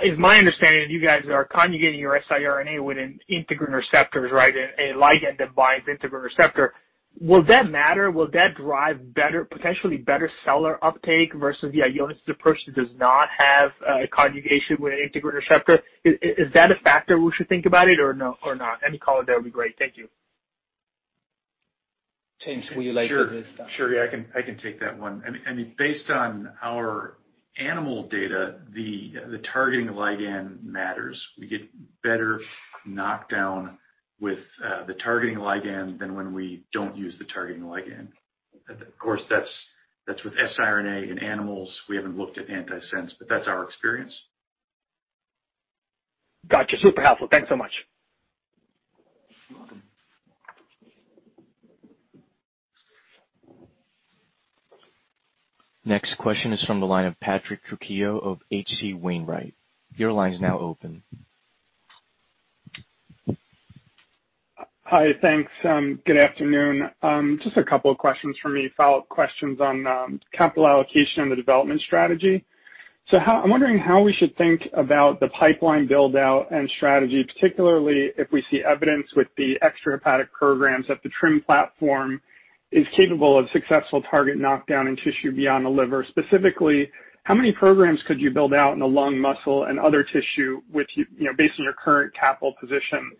It's my understanding that you guys are conjugating your siRNA with an integrin receptors, right? A ligand that binds integrin receptor. Will that matter? Will that drive potentially better cellular uptake versus the Ionis approach that does not have a conjugation with an integrin receptor? Is that a factor we should think about it or not? Any color there would be great. Thank you. James, would you like to do this? Sure. Yeah, I can take that one. Based on our animal data, the targeting ligand matters. We get better knockdown with the targeting ligand than when we don't use the targeting ligand. Of course, that's with siRNA in animals. We haven't looked at antisense, but that's our experience. Got you. Super helpful. Thanks so much. You're welcome. Next question is from the line of Patrick Trucchio of H.C. Wainwright. Your line is now open. Hi. Thanks. Good afternoon. Just a couple of questions from me, follow-up questions on capital allocation and the development strategy. I'm wondering how we should think about the pipeline build-out and strategy, particularly if we see evidence with the extrahepatic programs that the TRiM platform is capable of successful target knockdown in tissue beyond the liver. Specifically, how many programs could you build out in the lung, muscle, and other tissue based on your current capital position?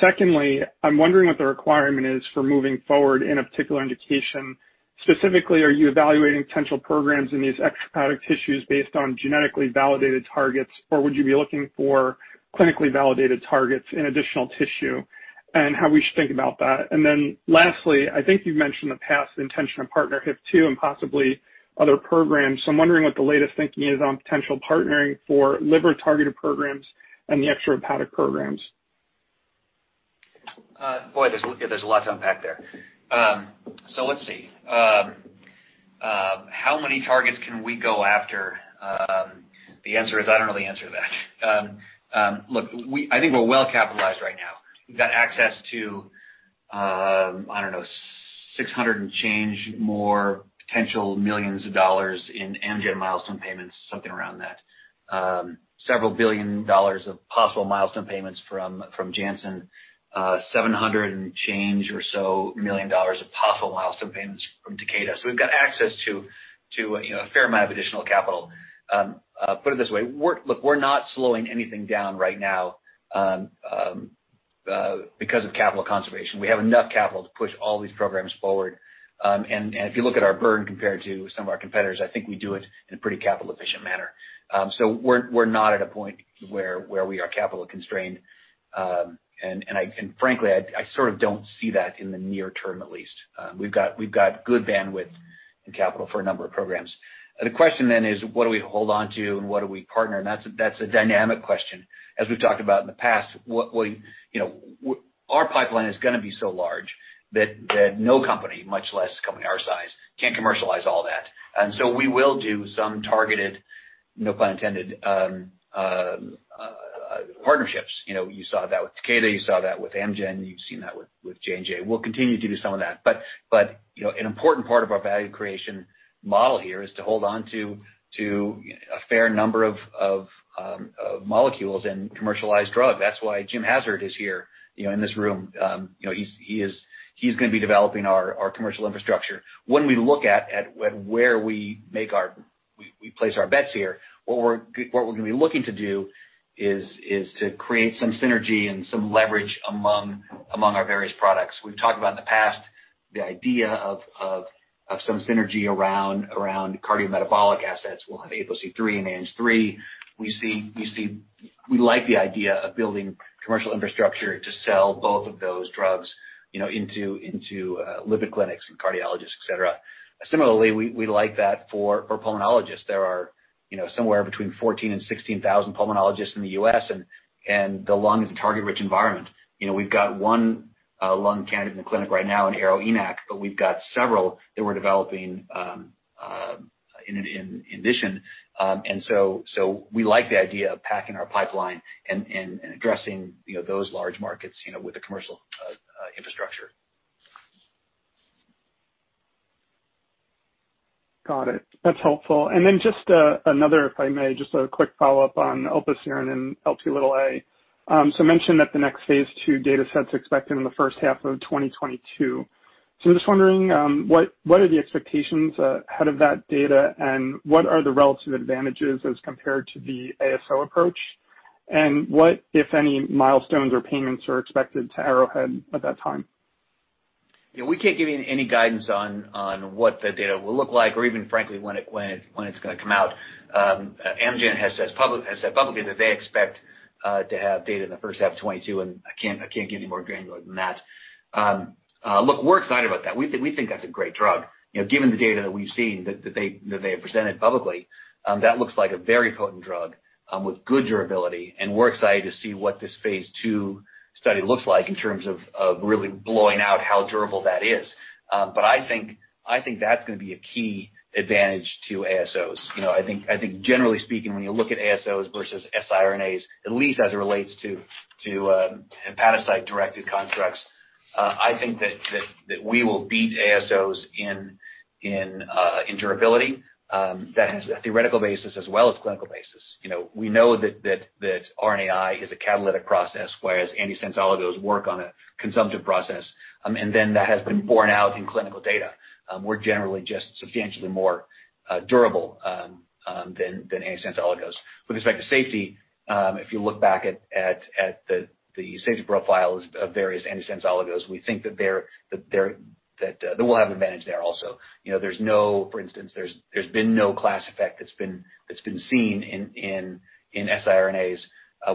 Secondly, I'm wondering what the requirement is for moving forward in a particular indication. Specifically, are you evaluating potential programs in these extrahepatic tissues based on genetically validated targets, or would you be looking for clinically validated targets in additional tissue, and how we should think about that? Lastly, I think you've mentioned in the past the intention to partner HIF-2 and possibly other programs. I'm wondering what the latest thinking is on potential partnering for liver-targeted programs and the extrahepatic programs. Boy, there's a lot to unpack there. Let's see. How many targets can we go after? The answer is, I don't know the answer to that. Look, I think we're well-capitalized right now. We've got access to, I don't know, $600 million and change more potential millions of dollars in Amgen milestone payments, something around that. Several billion dollars of possible milestone payments from Janssen. $700 million and change or so million dollars of possible milestone payments from Takeda. We've got access to a fair amount of additional capital. Put it this way. Look, we're not slowing anything down right now because of capital conservation. We have enough capital to push all these programs forward. If you look at our burn compared to some of our competitors, I think we do it in a pretty capital-efficient manner. We're not at a point where we are capital constrained. Frankly, I sort of don't see that in the near term, at least. We've got good bandwidth and capital for a number of programs. The question is, what do we hold on to and what do we partner? That's a dynamic question. As we've talked about in the past, our pipeline is going to be so large that no company, much less a company our size, can commercialize all that. We will do some targeted, no pun intended, partnerships. You saw that with Takeda. You saw that with Amgen. You've seen that with J&J. We'll continue to do some of that. An important part of our value creation model here is to hold on to a fair number of molecules and commercialized drug. That's why Jim Hassard is here in this room. He's going to be developing our commercial infrastructure. When we look at where we place our bets here, what we're going to be looking to do is to create some synergy and some leverage among our various products. We've talked about in the past the idea of some synergy around cardiometabolic assets. We'll have APOC3 and ANG3. We like the idea of building commercial infrastructure to sell both of those drugs into lipid clinics and cardiologists, etc. Similarly, we like that for pulmonologists. There are somewhere between 14,000 and 16,000 pulmonologists in the U.S., and the lung is a target-rich environment. We've got one lung candidate in the clinic right now in ARO-ENaC, but we've got several that we're developing in addition. We like the idea of packing our pipeline and addressing those large markets with the commercial infrastructure. Got it. That's helpful. Then just another, if I may, just a quick follow-up on olpasiran and Lp(a). You mentioned that the next phase II data set's expected in the first half of 2022. I'm just wondering, what are the expectations out of that data, and what are the relative advantages as compared to the ASO approach? What, if any, milestones or payments are expected to Arrowhead at that time? We can't give you any guidance on what the data will look like or even, frankly, when it's going to come out. Amgen has said publicly that they expect to have data in the first half of 2022. I can't give any more granular than that. We're excited about that. We think that's a great drug. Given the data that we've seen that they have presented publicly, that looks like a very potent drug with good durability. We're excited to see what this phase II study looks like in terms of really blowing out how durable that is. I think that's going to be a key advantage to ASOs. I think generally speaking, when you look at ASOs versus siRNAs, at least as it relates to hepatocyte-directed constructs, I think that we will beat ASOs in durability. That has a theoretical basis as well as clinical basis. We know that RNAi is a catalytic process, whereas antisense oligos work on a consumptive process. That has been borne out in clinical data. We're generally just substantially more durable than antisense oligos. With respect to safety, if you look back at the safety profiles of various antisense oligos, we think that we'll have an advantage there also. For instance, there's been no class effect that's been seen in siRNAs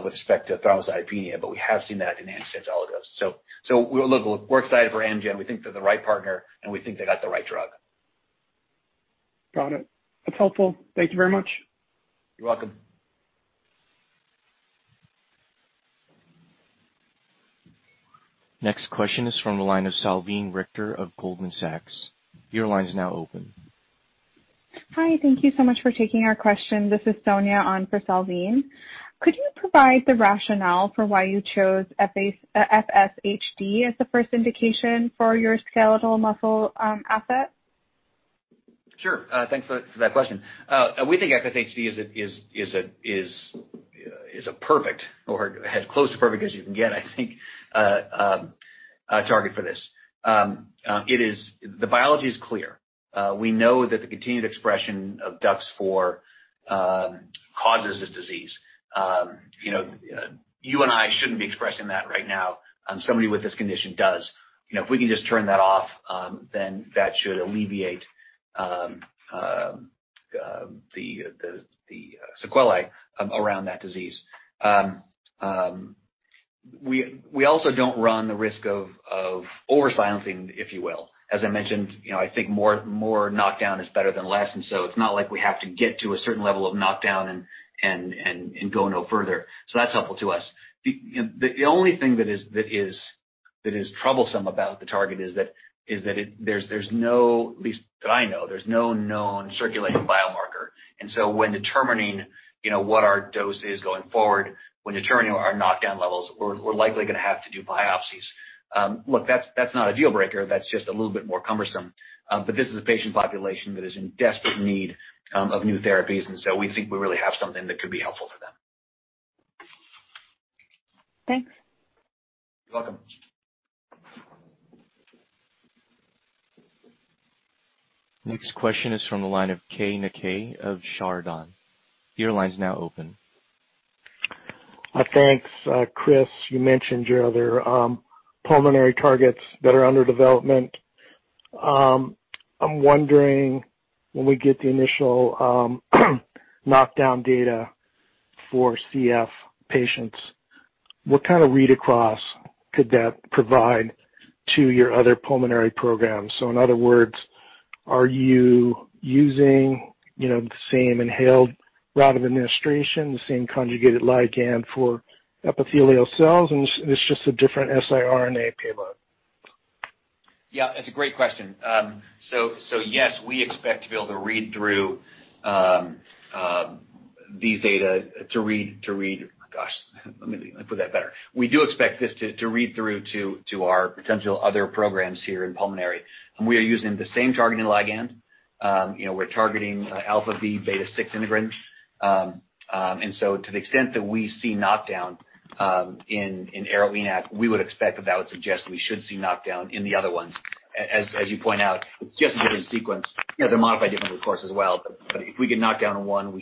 with respect to thrombocytopenia, but we have seen that in antisense oligos. Look, we're excited for Amgen. We think they're the right partner, and we think they got the right drug. Got it. That's helpful. Thank you very much. You're welcome. Next question is from the line of Salveen Richter of Goldman Sachs. Your line is now open. Hi. Thank you so much for taking our question. This is Sonia on for Salveen. Could you provide the rationale for why you chose FSHD as the first indication for your skeletal muscle asset? Sure. Thanks for that question. We think FSHD is a perfect, or as close to perfect as you can get, I think, target for this. The biology is clear. We know that the continued expression of DUX4 causes this disease. You and I shouldn't be expressing that right now. Somebody with this condition does. If we can just turn that off, that should alleviate the sequelae around that disease. We also don't run the risk of over-silencing, if you will. As I mentioned, I think more knockdown is better than less. It's not like we have to get to a certain level of knockdown and go no further. That's helpful to us. The only thing that is troublesome about the target is that there's no, at least that I know, there's no known circulating biomarker. When determining what our dose is going forward, when determining our knockdown levels, we're likely going to have to do biopsies. Look, that's not a deal breaker. That's just a little bit more cumbersome. This is a patient population that is in desperate need of new therapies, and so we think we really have something that could be helpful for them. Thanks. You're welcome. Next question is from the line of Keay Nakae of Chardan. Your line is now open. Thanks. Chris, you mentioned your other pulmonary targets that are under development. I'm wondering when we get the initial knockdown data for CF patients, what kind of read across could that provide to your other pulmonary programs? In other words, are you using the same inhaled route of administration, the same conjugated ligand for epithelial cells, and it's just a different siRNA payload? Yeah. That's a great question. Yes, we expect to be able to read through these data. Let me put that better. We do expect this to read through to our potential other programs here in pulmonary. We are using the same targeting ligand. We're targeting alpha-v beta-6 integrins. To the extent that we see knockdown in ARO-ENaC, we would expect that would suggest we should see knockdown in the other ones. As you point out, it's just a different sequence. They're modified differently, of course, as well. If we could knock down one,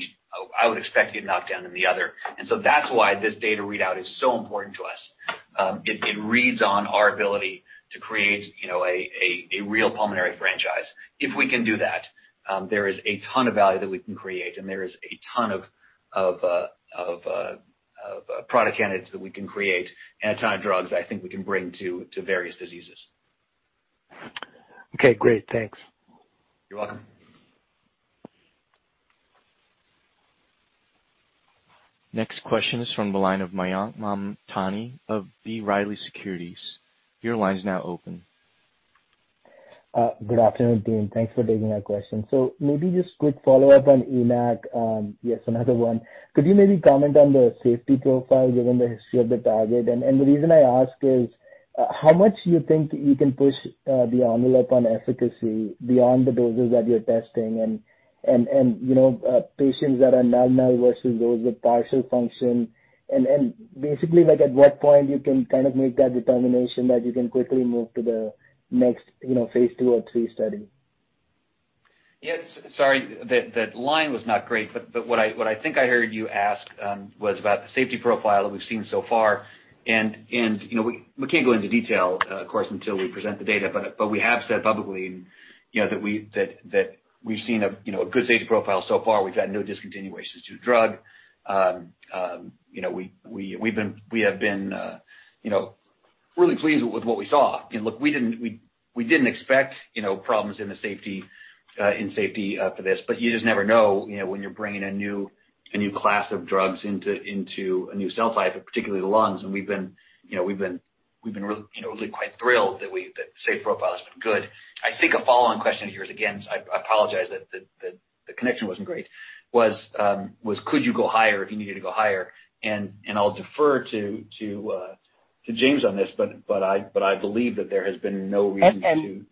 I would expect you to knock down in the other. That's why this data readout is so important to us. It reads on our ability to create a real pulmonary franchise. If we can do that, there is a ton of value that we can create, and there is a ton of product candidates that we can create and a ton of drugs I think we can bring to various diseases. Okay, great. Thanks. You're welcome. Next question is from the line of Mayank Mamtani of B. Riley Securities. Your line is now open. Good afternoon, team. Thanks for taking our question. Maybe just quick follow-up on ENaC. Yes, another one. Could you maybe comment on the safety profile given the history of the target? The reason I ask is how much do you think you can push the envelope on efficacy beyond the doses that you're testing and patients that are null versus those with partial function? Basically, at what point you can make that determination that you can quickly move to the next phase II or III study? Yes. Sorry. What I think I heard you ask was about the safety profile that we've seen so far. We can't go into detail, of course, until we present the data. We have said publicly that we've seen a good safety profile so far. We've had no discontinuations to drug. We have been really pleased with what we saw. Look, we didn't expect problems in the safety for this, you just never know when you're bringing a new class of drugs into a new cell type, particularly the lungs, we've been really quite thrilled that the safety profile has been good. I think a follow-on question of yours, again, I apologize that the connection wasn't great, was could you go higher if you needed to go higher? I'll defer to James on this, but I believe that there has been no reason.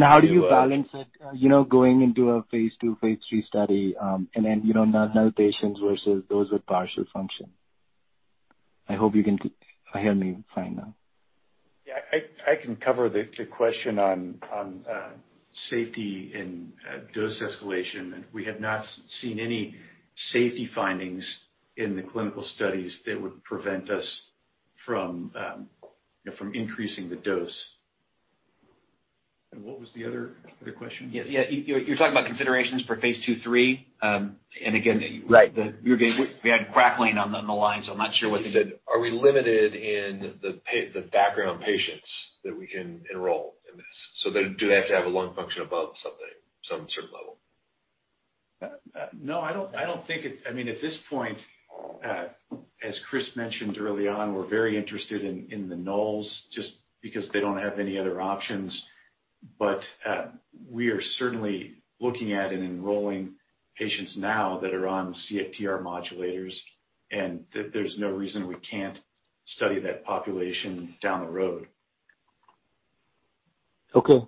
How do you balance it, going into a phase II, phase III study, and then null patients versus those with partial function? I hope you can hear me fine now. Yeah, I can cover the question on safety and dose escalation. We have not seen any safety findings in the clinical studies that would prevent us from increasing the dose. What was the other question? Yeah. You're talking about considerations for phase II, III. Right. We had crackling on the line, so I'm not sure. He said, are we limited in the background patients that we can enroll in this? Do they have to have a lung function above some certain level? No, I don't think at this point, as Chris mentioned early on, we're very interested in the nulls just because they don't have any other options. We are certainly looking at and enrolling patients now that are on CFTR modulators, and there's no reason we can't study that population down the road. Okay.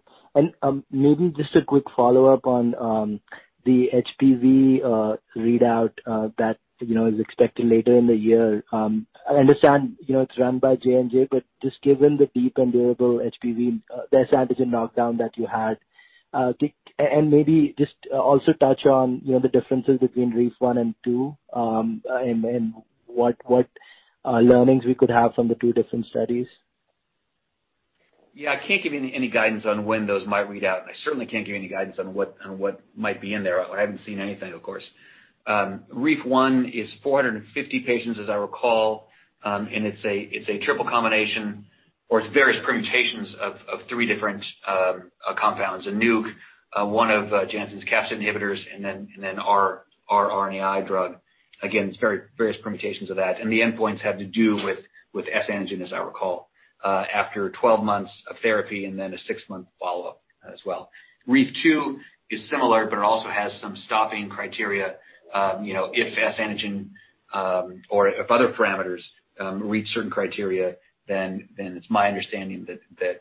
Maybe just a quick follow-up on the HBV readout that is expected later in the year. I understand it's run by J&J, but just given the deep and durable HBV, the HBsAg knockdown that you had. Maybe just also touch on the differences between REEF-1 and -2, and what learnings we could have from the two different studies. Yeah, I can't give you any guidance on when those might read out, and I certainly can't give you any guidance on what might be in there. I haven't seen anything, of course. REEF-1 is 450 patients, as I recall, and it's a triple combination, or it's various permutations of three different compounds. A NUC, one of Janssen's CAM inhibitors, and then our RNAi drug. Again, it's various permutations of that. The endpoints have to do with HBsAg, as I recall, after 12 months of therapy and then a six-month follow-up as well. REEF-2 is similar, but it also has some stopping criteria. If HBsAg or if other parameters reach certain criteria, then it's my understanding that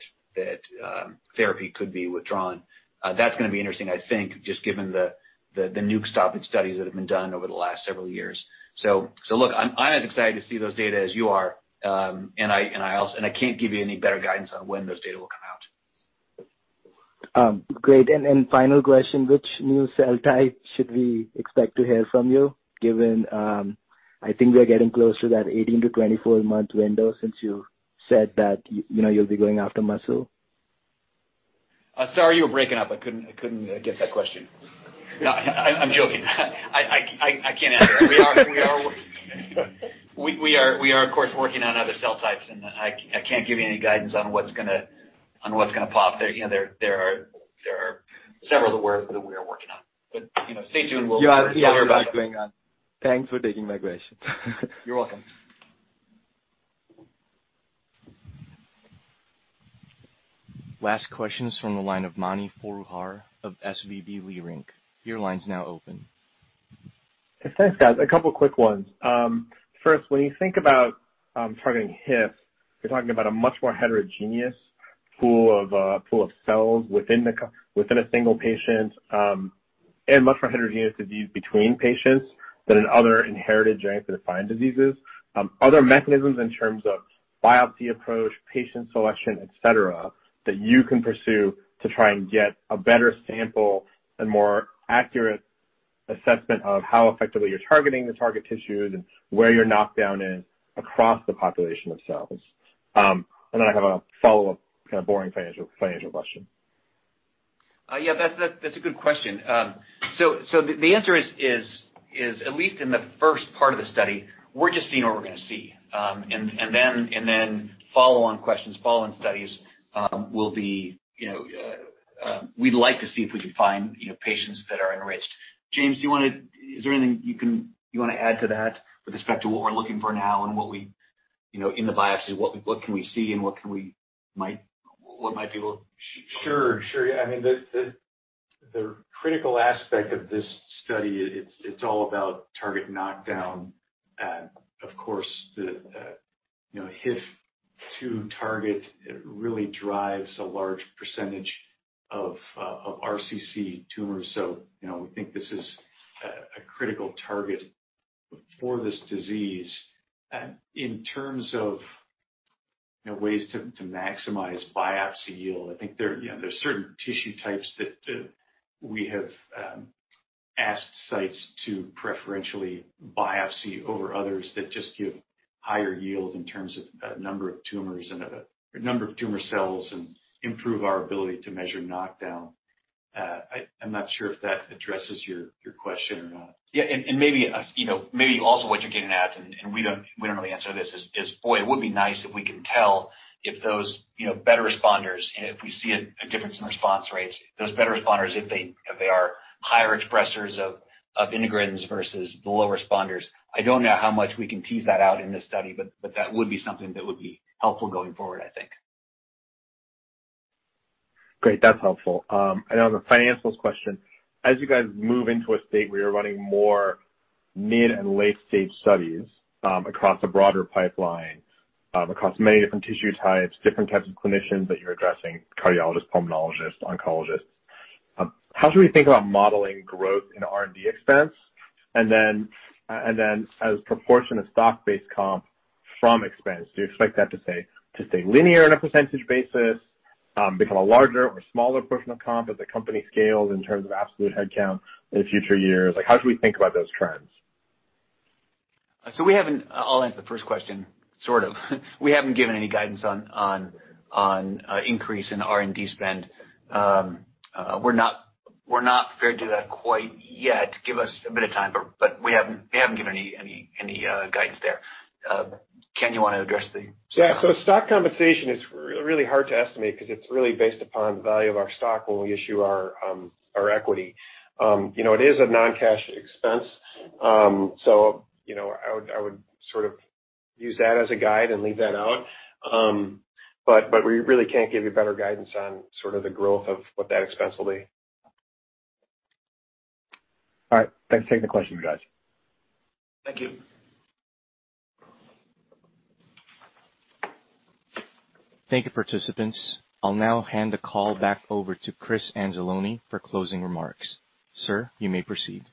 therapy could be withdrawn. That's going to be interesting, I think, just given the NUC-stopping studies that have been done over the last several years. Look, I'm as excited to see those data as you are. I can't give you any better guidance on when those data will come out. Great. Final question, which new cell type should we expect to hear from you, given I think we are getting close to that 18- to 24-month window since you said that you'll be going after muscle? Sorry, you were breaking up. I couldn't get that question. No, I'm joking. I can't answer. We are, of course, working on other cell types, and I can't give you any guidance on what's going to pop there. There are several that we are working on. Yeah. Tell everybody. Thanks for taking my question. You're welcome. Last question is from the line of Mani Foroohar of SVB Leerink. Your line's now open. Thanks, guys. A couple of quick ones. First, when you think about targeting HIF, you're talking about a much more heterogeneous pool of cells within a single patient, and much more heterogeneous disease between patients than in other inherited genetic-defined diseases. Other mechanisms in terms of biopsy approach, patient selection, etc., that you can pursue to try and get a better sample and more accurate assessment of how effectively you're targeting the target tissues and where your knockdown is across the population of cells. Then I have a follow-up kind of boring financial question. Yeah, that's a good question. The answer is at least in the first part of the study, we're just seeing what we're going to see. Follow-on questions, follow-on studies, we'd like to see if we can find patients that are enriched. James, is there anything you want to add to that with respect to what we're looking for now and in the biopsies, what can we see? Sure. I mean, the critical aspect of this study, it's all about target knockdown. The HIF-2 target really drives a large percentage of RCC tumors, so we think this is a critical target for this disease. In terms of ways to maximize biopsy yield, I think there's certain tissue types that we have asked sites to preferentially biopsy over others that just give higher yield in terms of number of tumor cells and improve our ability to measure knockdown. I'm not sure if that addresses your question or not. Maybe also what you're getting at, we don't know the answer to this, is boy, it would be nice if we can tell if those better responders, if we see a difference in response rates, those better responders, if they are higher expressers of integrins versus the low responders. I don't know how much we can tease that out in this study, that would be something that would be helpful going forward, I think. Great. That's helpful. I know the financials question, as you guys move into a state where you're running more mid and late-stage studies across a broader pipeline, across many different tissue types, different types of clinicians that you're addressing, cardiologists, pulmonologists, oncologists. How should we think about modeling growth in R&D expense? Then as proportion of stock-based comp from expense, do you expect that to stay linear on a percentage basis? Become a larger or smaller portion of comp as the company scales in terms of absolute head count in future years? How should we think about those trends? I'll answer the first question, sort of. We haven't given any guidance on increase in R&D spend. We're not prepared to do that quite yet. Give us a bit of time. We haven't given any guidance there. Ken, you want to address the. Yeah. Stock compensation is really hard to estimate because it's really based upon the value of our stock when we issue our equity. It is a non-cash expense. I would use that as a guide and leave that out. We really can't give you better guidance on the growth of what that expense will be. All right. Thanks for taking the question, you guys. Thank you. Thank you, participants. I'll now hand the call back over to Chris Anzalone for closing remarks. Sir, you may proceed.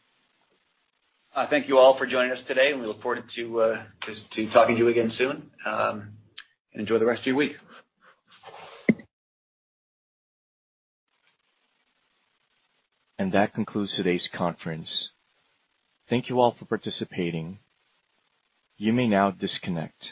Thank you all for joining us today, and we look forward to talking to you again soon. Enjoy the rest of your week. That concludes today's conference. Thank you all for participating. You may now disconnect.